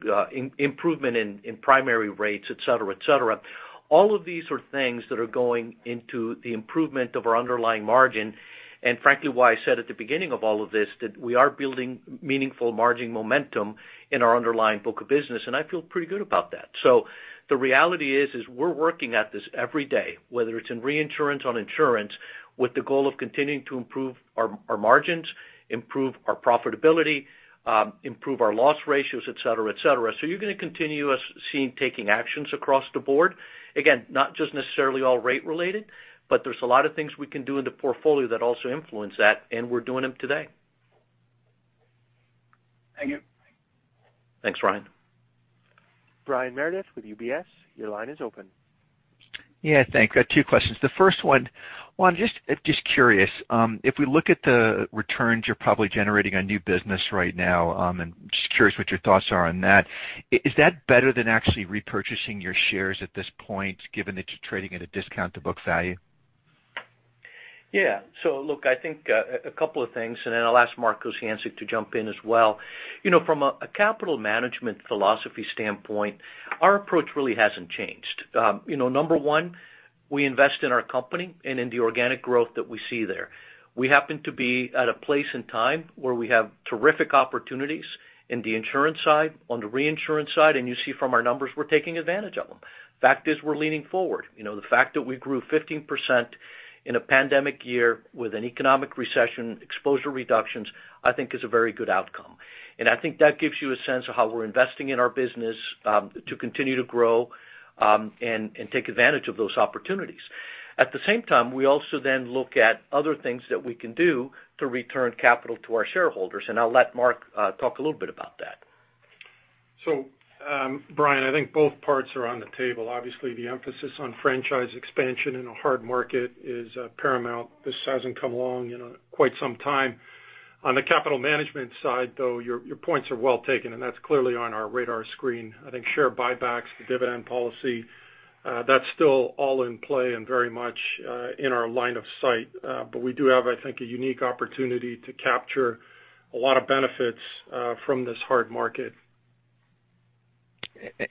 improvement in primary rates, et cetera. All of these are things that are going into the improvement of our underlying margin, and frankly why I said at the beginning of all of this that we are building meaningful margin momentum in our underlying book of business, and I feel pretty good about that. The reality is we're working at this every day, whether it's in reinsurance on insurance, with the goal of continuing to improve our margins, improve our profitability, improve our loss ratios, et cetera. You're going to continue seeing us taking actions across the board. Again, not just necessarily all rate related, but there's a lot of things we can do in the portfolio that also influence that, and we're doing them today. Thank you. Thanks, Ryan. Brian Meredith with UBS, your line is open. Yeah, thanks. I have two questions. The first one, Juan, just curious, if we look at the returns you're probably generating on new business right now, and just curious what your thoughts are on that. Is that better than actually repurchasing your shares at this point, given that you're trading at a discount to book value? Yeah. Look, I think a couple of things, and then I'll ask Mark Kociancic to jump in as well. From a capital management philosophy standpoint, our approach really hasn't changed. Number one, we invest in our company and in the organic growth that we see there. We happen to be at a place in time where we have terrific opportunities in the insurance side, on the reinsurance side, and you see from our numbers we're taking advantage of them. Fact is, we're leaning forward. The fact that we grew 15% in a pandemic year with an economic recession, exposure reductions, I think is a very good outcome. I think that gives you a sense of how we're investing in our business to continue to grow and take advantage of those opportunities. At the same time, we also then look at other things that we can do to return capital to our shareholders, and I'll let Mark talk a little bit about that. Brian, I think both parts are on the table. Obviously, the emphasis on franchise expansion in a hard market is paramount. This hasn't come along in quite some time. On the capital management side, though, your points are well taken, and that's clearly on our radar screen. I think share buybacks, the dividend policy, that's still all in play and very much in our line of sight. We do have, I think, a unique opportunity to capture a lot of benefits from this hard market.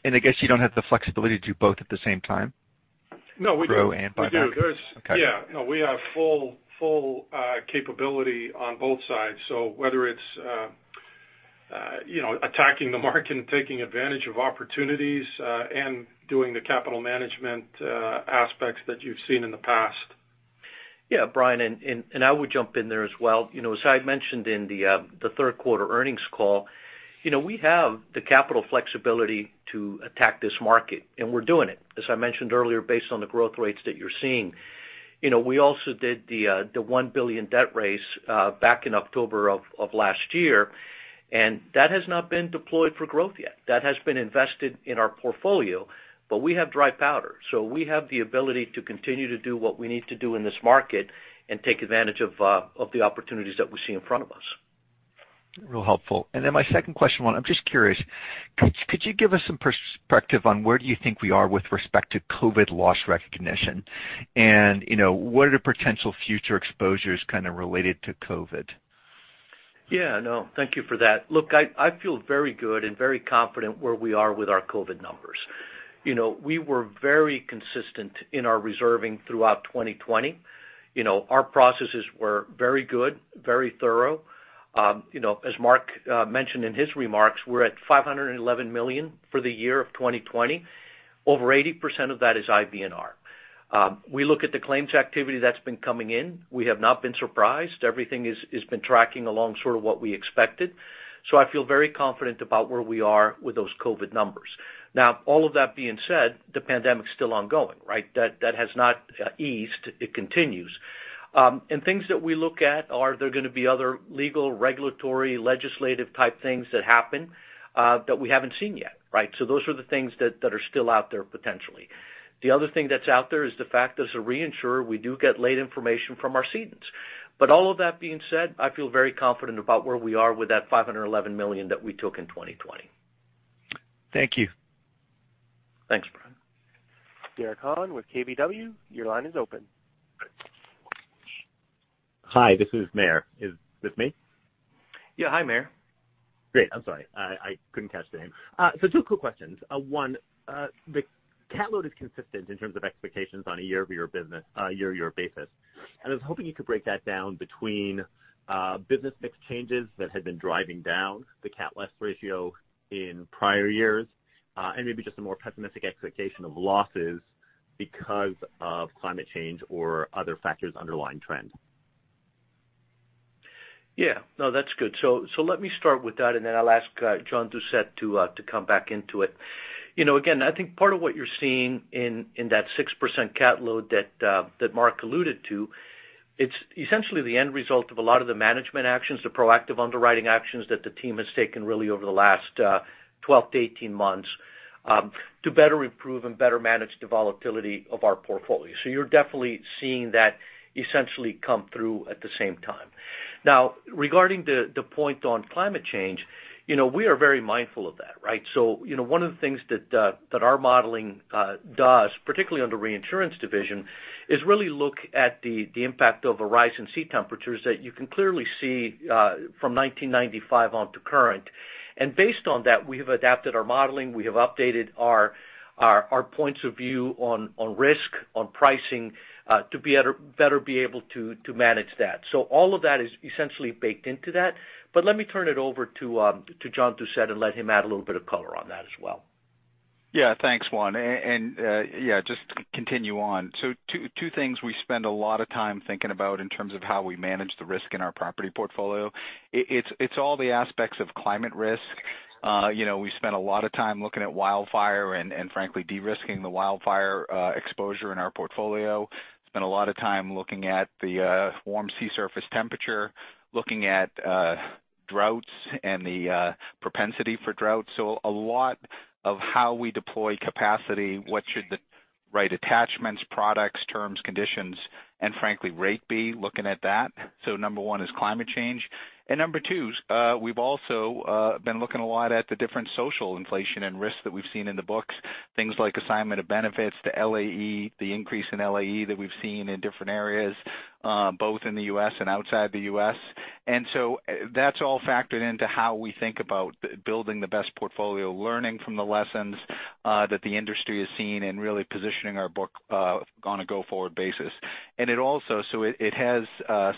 I guess you don't have the flexibility to do both at the same time? No, we do. Grow and buyback. We do. Okay. Yeah. We have full capability on both sides, whether it's attacking the market and taking advantage of opportunities, and doing the capital management aspects that you've seen in the past. Yeah. Brian, I would jump in there as well. As I had mentioned in the third quarter earnings call, we have the capital flexibility to attack this market, and we're doing it, as I mentioned earlier, based on the growth rates that you're seeing. We also did the $1 billion debt raise back in October of last year, that has not been deployed for growth yet. That has been invested in our portfolio. We have dry powder, we have the ability to continue to do what we need to do in this market and take advantage of the opportunities that we see in front of us. Real helpful. My second question, Juan, I'm just curious, could you give us some perspective on where do you think we are with respect to COVID loss recognition? What are the potential future exposures kind of related to COVID? Yeah, no, thank you for that. Look, I feel very good and very confident where we are with our COVID numbers. We were very consistent in our reserving throughout 2020. Our processes were very good, very thorough. As Mark mentioned in his remarks, we're at $511 million for the year of 2020. Over 80% of that is IBNR. We look at the claims activity that's been coming in. We have not been surprised. Everything has been tracking along sort of what we expected. I feel very confident about where we are with those COVID numbers. Now, all of that being said, the pandemic's still ongoing, right? That has not eased. It continues. Things that we look at are there going to be other legal, regulatory, legislative type things that happen that we haven't seen yet, right? Those are the things that are still out there potentially. The other thing that's out there is the fact, as a reinsurer, we do get late information from our cedants. All of that being said, I feel very confident about where we are with that $511 million that we took in 2020. Thank you. Thanks, Brian. Derek Hahn with KBW, your line is open. Hi, this is Meyer. Is this me? Yeah. Hi, Meyer. Great. I'm sorry. I couldn't catch the name. Two quick questions. One, the cat load is consistent in terms of expectations on a year-over-year basis. I was hoping you could break that down between business mix changes that had been driving down the cat loss ratio in prior years, and maybe just a more pessimistic expectation of losses because of climate change or other factors underlying trend. Yeah. No, that's good. Let me start with that, and then I'll ask John Doucette to come back into it. Again, I think part of what you're seeing in that 6% cat load that Mark alluded to, it's essentially the end result of a lot of the management actions, the proactive underwriting actions that the team has taken really over the last 12-18 months to better improve and better manage the volatility of our portfolio. You're definitely seeing that essentially come through at the same time. Regarding the point on climate change, we are very mindful of that, right? One of the things that our modeling does, particularly on the reinsurance division, is really look at the impact of a rise in sea temperatures that you can clearly see from 1995 on to current. Based on that, we have adapted our modeling, we have updated our points of view on risk, on pricing to better be able to manage that. All of that is essentially baked into that, but let me turn it over to John Doucette and let him add a little bit of color on that as well. Thanks, Juan. Just to continue on. Two things we spend a lot of time thinking about in terms of how we manage the risk in our property portfolio. It's all the aspects of climate risk. We spend a lot of time looking at wildfire and frankly, de-risking the wildfire exposure in our portfolio. Spend a lot of time looking at the warm sea surface temperature, looking at droughts and the propensity for droughts. A lot of how we deploy capacity, what should the right attachments, products, terms, conditions, and frankly, rate be looking at that. Number one is climate change. Number two, we've also been looking a lot at the different social inflation and risks that we've seen in the books. Things like assignment of benefits to LAE, the increase in LAE that we've seen in different areas, both in the U.S. and outside the U.S.. That's all factored into how we think about building the best portfolio, learning from the lessons that the industry has seen, and really positioning our book on a go-forward basis. It has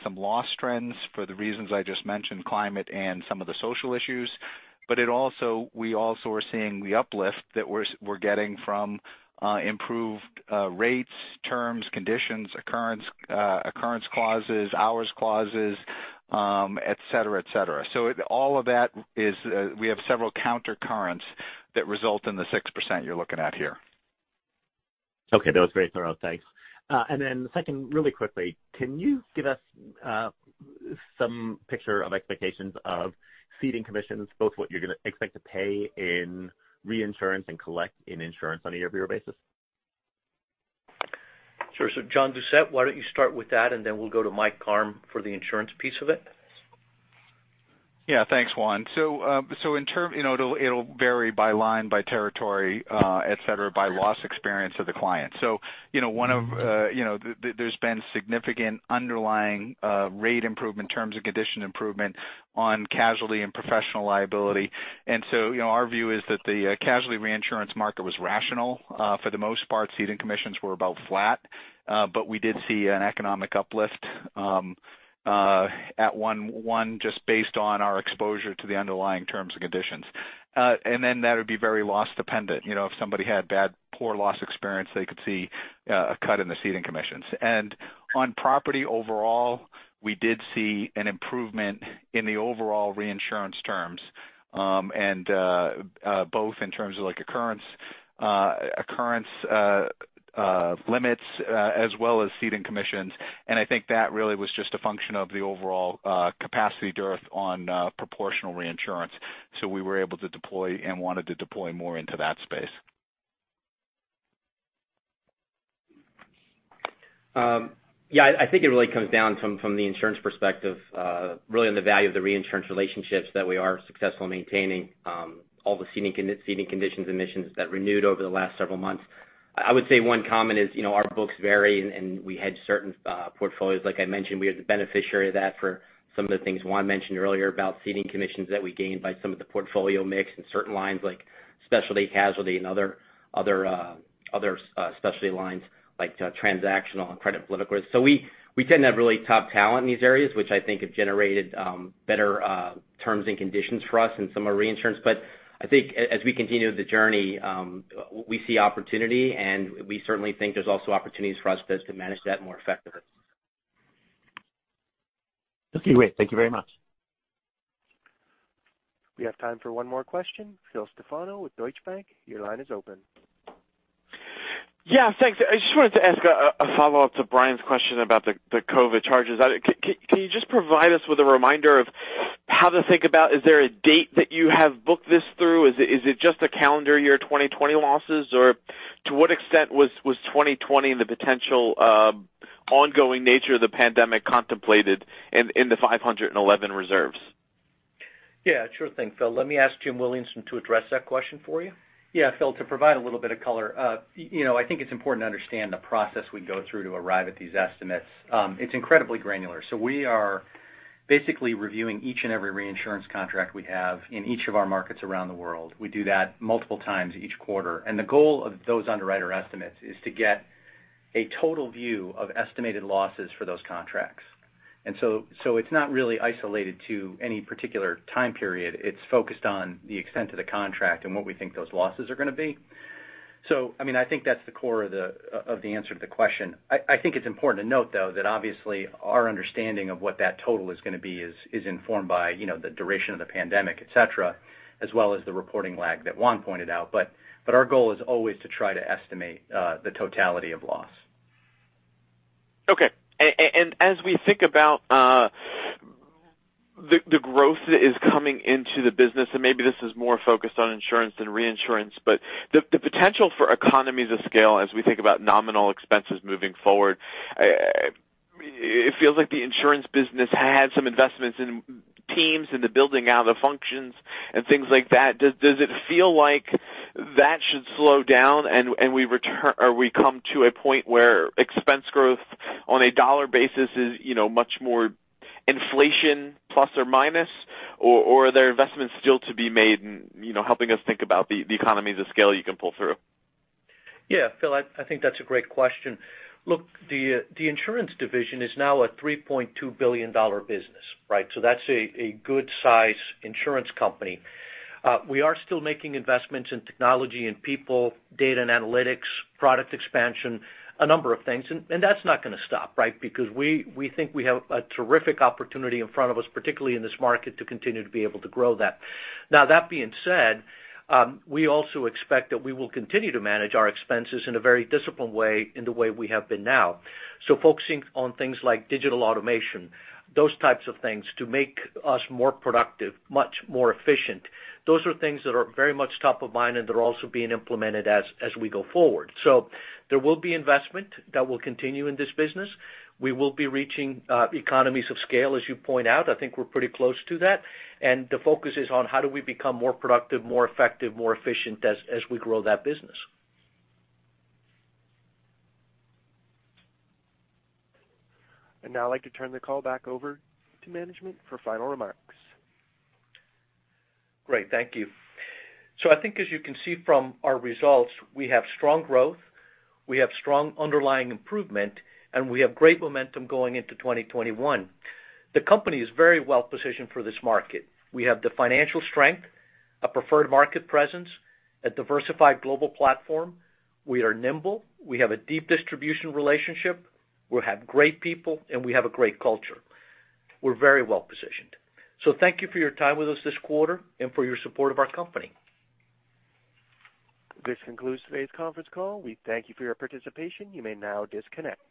some loss trends for the reasons I just mentioned, climate and some of the social issues. We also are seeing the uplift that we're getting from improved rates, terms, conditions, occurrence clauses, hours clauses, et cetera. All of that is we have several countercurrents that result in the 6% you're looking at here. Okay. That was very thorough. Thanks. Then second, really quickly, can you give us some picture of expectations of ceding commissions, both what you're going to expect to pay in reinsurance and collect in insurance on a year-over-year basis? Sure. John Doucette, why don't you start with that, and then we'll go to Mike Karm for the insurance piece of it? Thanks, Juan. It'll vary by line, by territory, et cetera, by loss experience of the client. There's been significant underlying rate improvement, terms and condition improvement on casualty and professional liability. Our view is that the casualty reinsurance market was rational. For the most part, ceding commissions were about flat. We did see an economic uplift at 1/1 just based on our exposure to the underlying terms and conditions. That would be very loss dependent. If somebody had bad, poor loss experience, they could see a cut in the ceding commissions. On property overall, we did see an improvement in the overall reinsurance terms, both in terms of occurrence limits as well as ceding commissions. I think that really was just a function of the overall capacity dearth on proportional reinsurance. We were able to deploy and wanted to deploy more into that space. Yeah, I think it really comes down from the insurance perspective, really on the value of the reinsurance relationships that we are successful in maintaining all the ceding conditions and commissions that renewed over the last several months. I would say one comment is, our books vary and we hedge certain portfolios. Like I mentioned, we are the beneficiary of that for some of the things Juan mentioned earlier about ceding commissions that we gained by some of the portfolio mix in certain lines, like specialty casualty and other specialty lines like transactional and credit political risk. We tend to have really top talent in these areas, which I think have generated better terms and conditions for us in some of reinsurance. I think as we continue the journey, we see opportunity, and we certainly think there's also opportunities for us to manage that more effectively. Okay, great. Thank you very much. We have time for one more question. Phil Stefano with Deutsche Bank, your line is open. Yeah, thanks. I just wanted to ask a follow-up to Brian's question about the COVID charges. Can you just provide us with a reminder of how to think about, is there a date that you have booked this through? Is it just a calendar year 2020 losses, or to what extent was 2020 and the potential ongoing nature of the pandemic contemplated in the 511 reserves? Yeah, sure thing, Phil. Let me ask Jim Williamson to address that question for you. Yeah, Phil, to provide a little bit of color. I think it's important to understand the process we go through to arrive at these estimates. It's incredibly granular. We are basically reviewing each and every reinsurance contract we have in each of our markets around the world. We do that multiple times each quarter, the goal of those underwriter estimates is to get a total view of estimated losses for those contracts. It's not really isolated to any particular time period. It's focused on the extent of the contract and what we think those losses are going to be. I think that's the core of the answer to the question. I think it's important to note, though, that obviously our understanding of what that total is going to be is informed by the duration of the pandemic, et cetera, as well as the reporting lag that Juan pointed out. Our goal is always to try to estimate the totality of loss. Okay. As we think about the growth that is coming into the business, and maybe this is more focused on insurance than reinsurance, but the potential for economies of scale as we think about nominal expenses moving forward, it feels like the insurance business had some investments in teams, in the building out of functions and things like that. Does it feel like that should slow down and we come to a point where expense growth on a dollar basis is much more inflation plus or minus, or are there investments still to be made in helping us think about the economies of scale you can pull through? Yeah, Phil, I think that's a great question. Look, the insurance division is now a $3.2 billion business, right? That's a good size insurance company. We are still making investments in technology and people, data and analytics, product expansion, a number of things. That's not going to stop, right? Because we think we have a terrific opportunity in front of us, particularly in this market, to continue to be able to grow that. That being said, we also expect that we will continue to manage our expenses in a very disciplined way, in the way we have been now. Focusing on things like digital automation, those types of things to make us more productive, much more efficient. Those are things that are very much top of mind, and they're also being implemented as we go forward. There will be investment that will continue in this business. We will be reaching economies of scale, as you point out. I think we're pretty close to that. The focus is on how do we become more productive, more effective, more efficient as we grow that business. Now I'd like to turn the call back over to management for final remarks. Great. Thank you. I think as you can see from our results, we have strong growth, we have strong underlying improvement, and we have great momentum going into 2021. The company is very well-positioned for this market. We have the financial strength, a preferred market presence, a diversified global platform. We are nimble. We have a deep distribution relationship. We have great people, and we have a great culture. We're very well-positioned. Thank you for your time with us this quarter and for your support of our company. This concludes today's conference call. We thank you for your participation. You may now disconnect.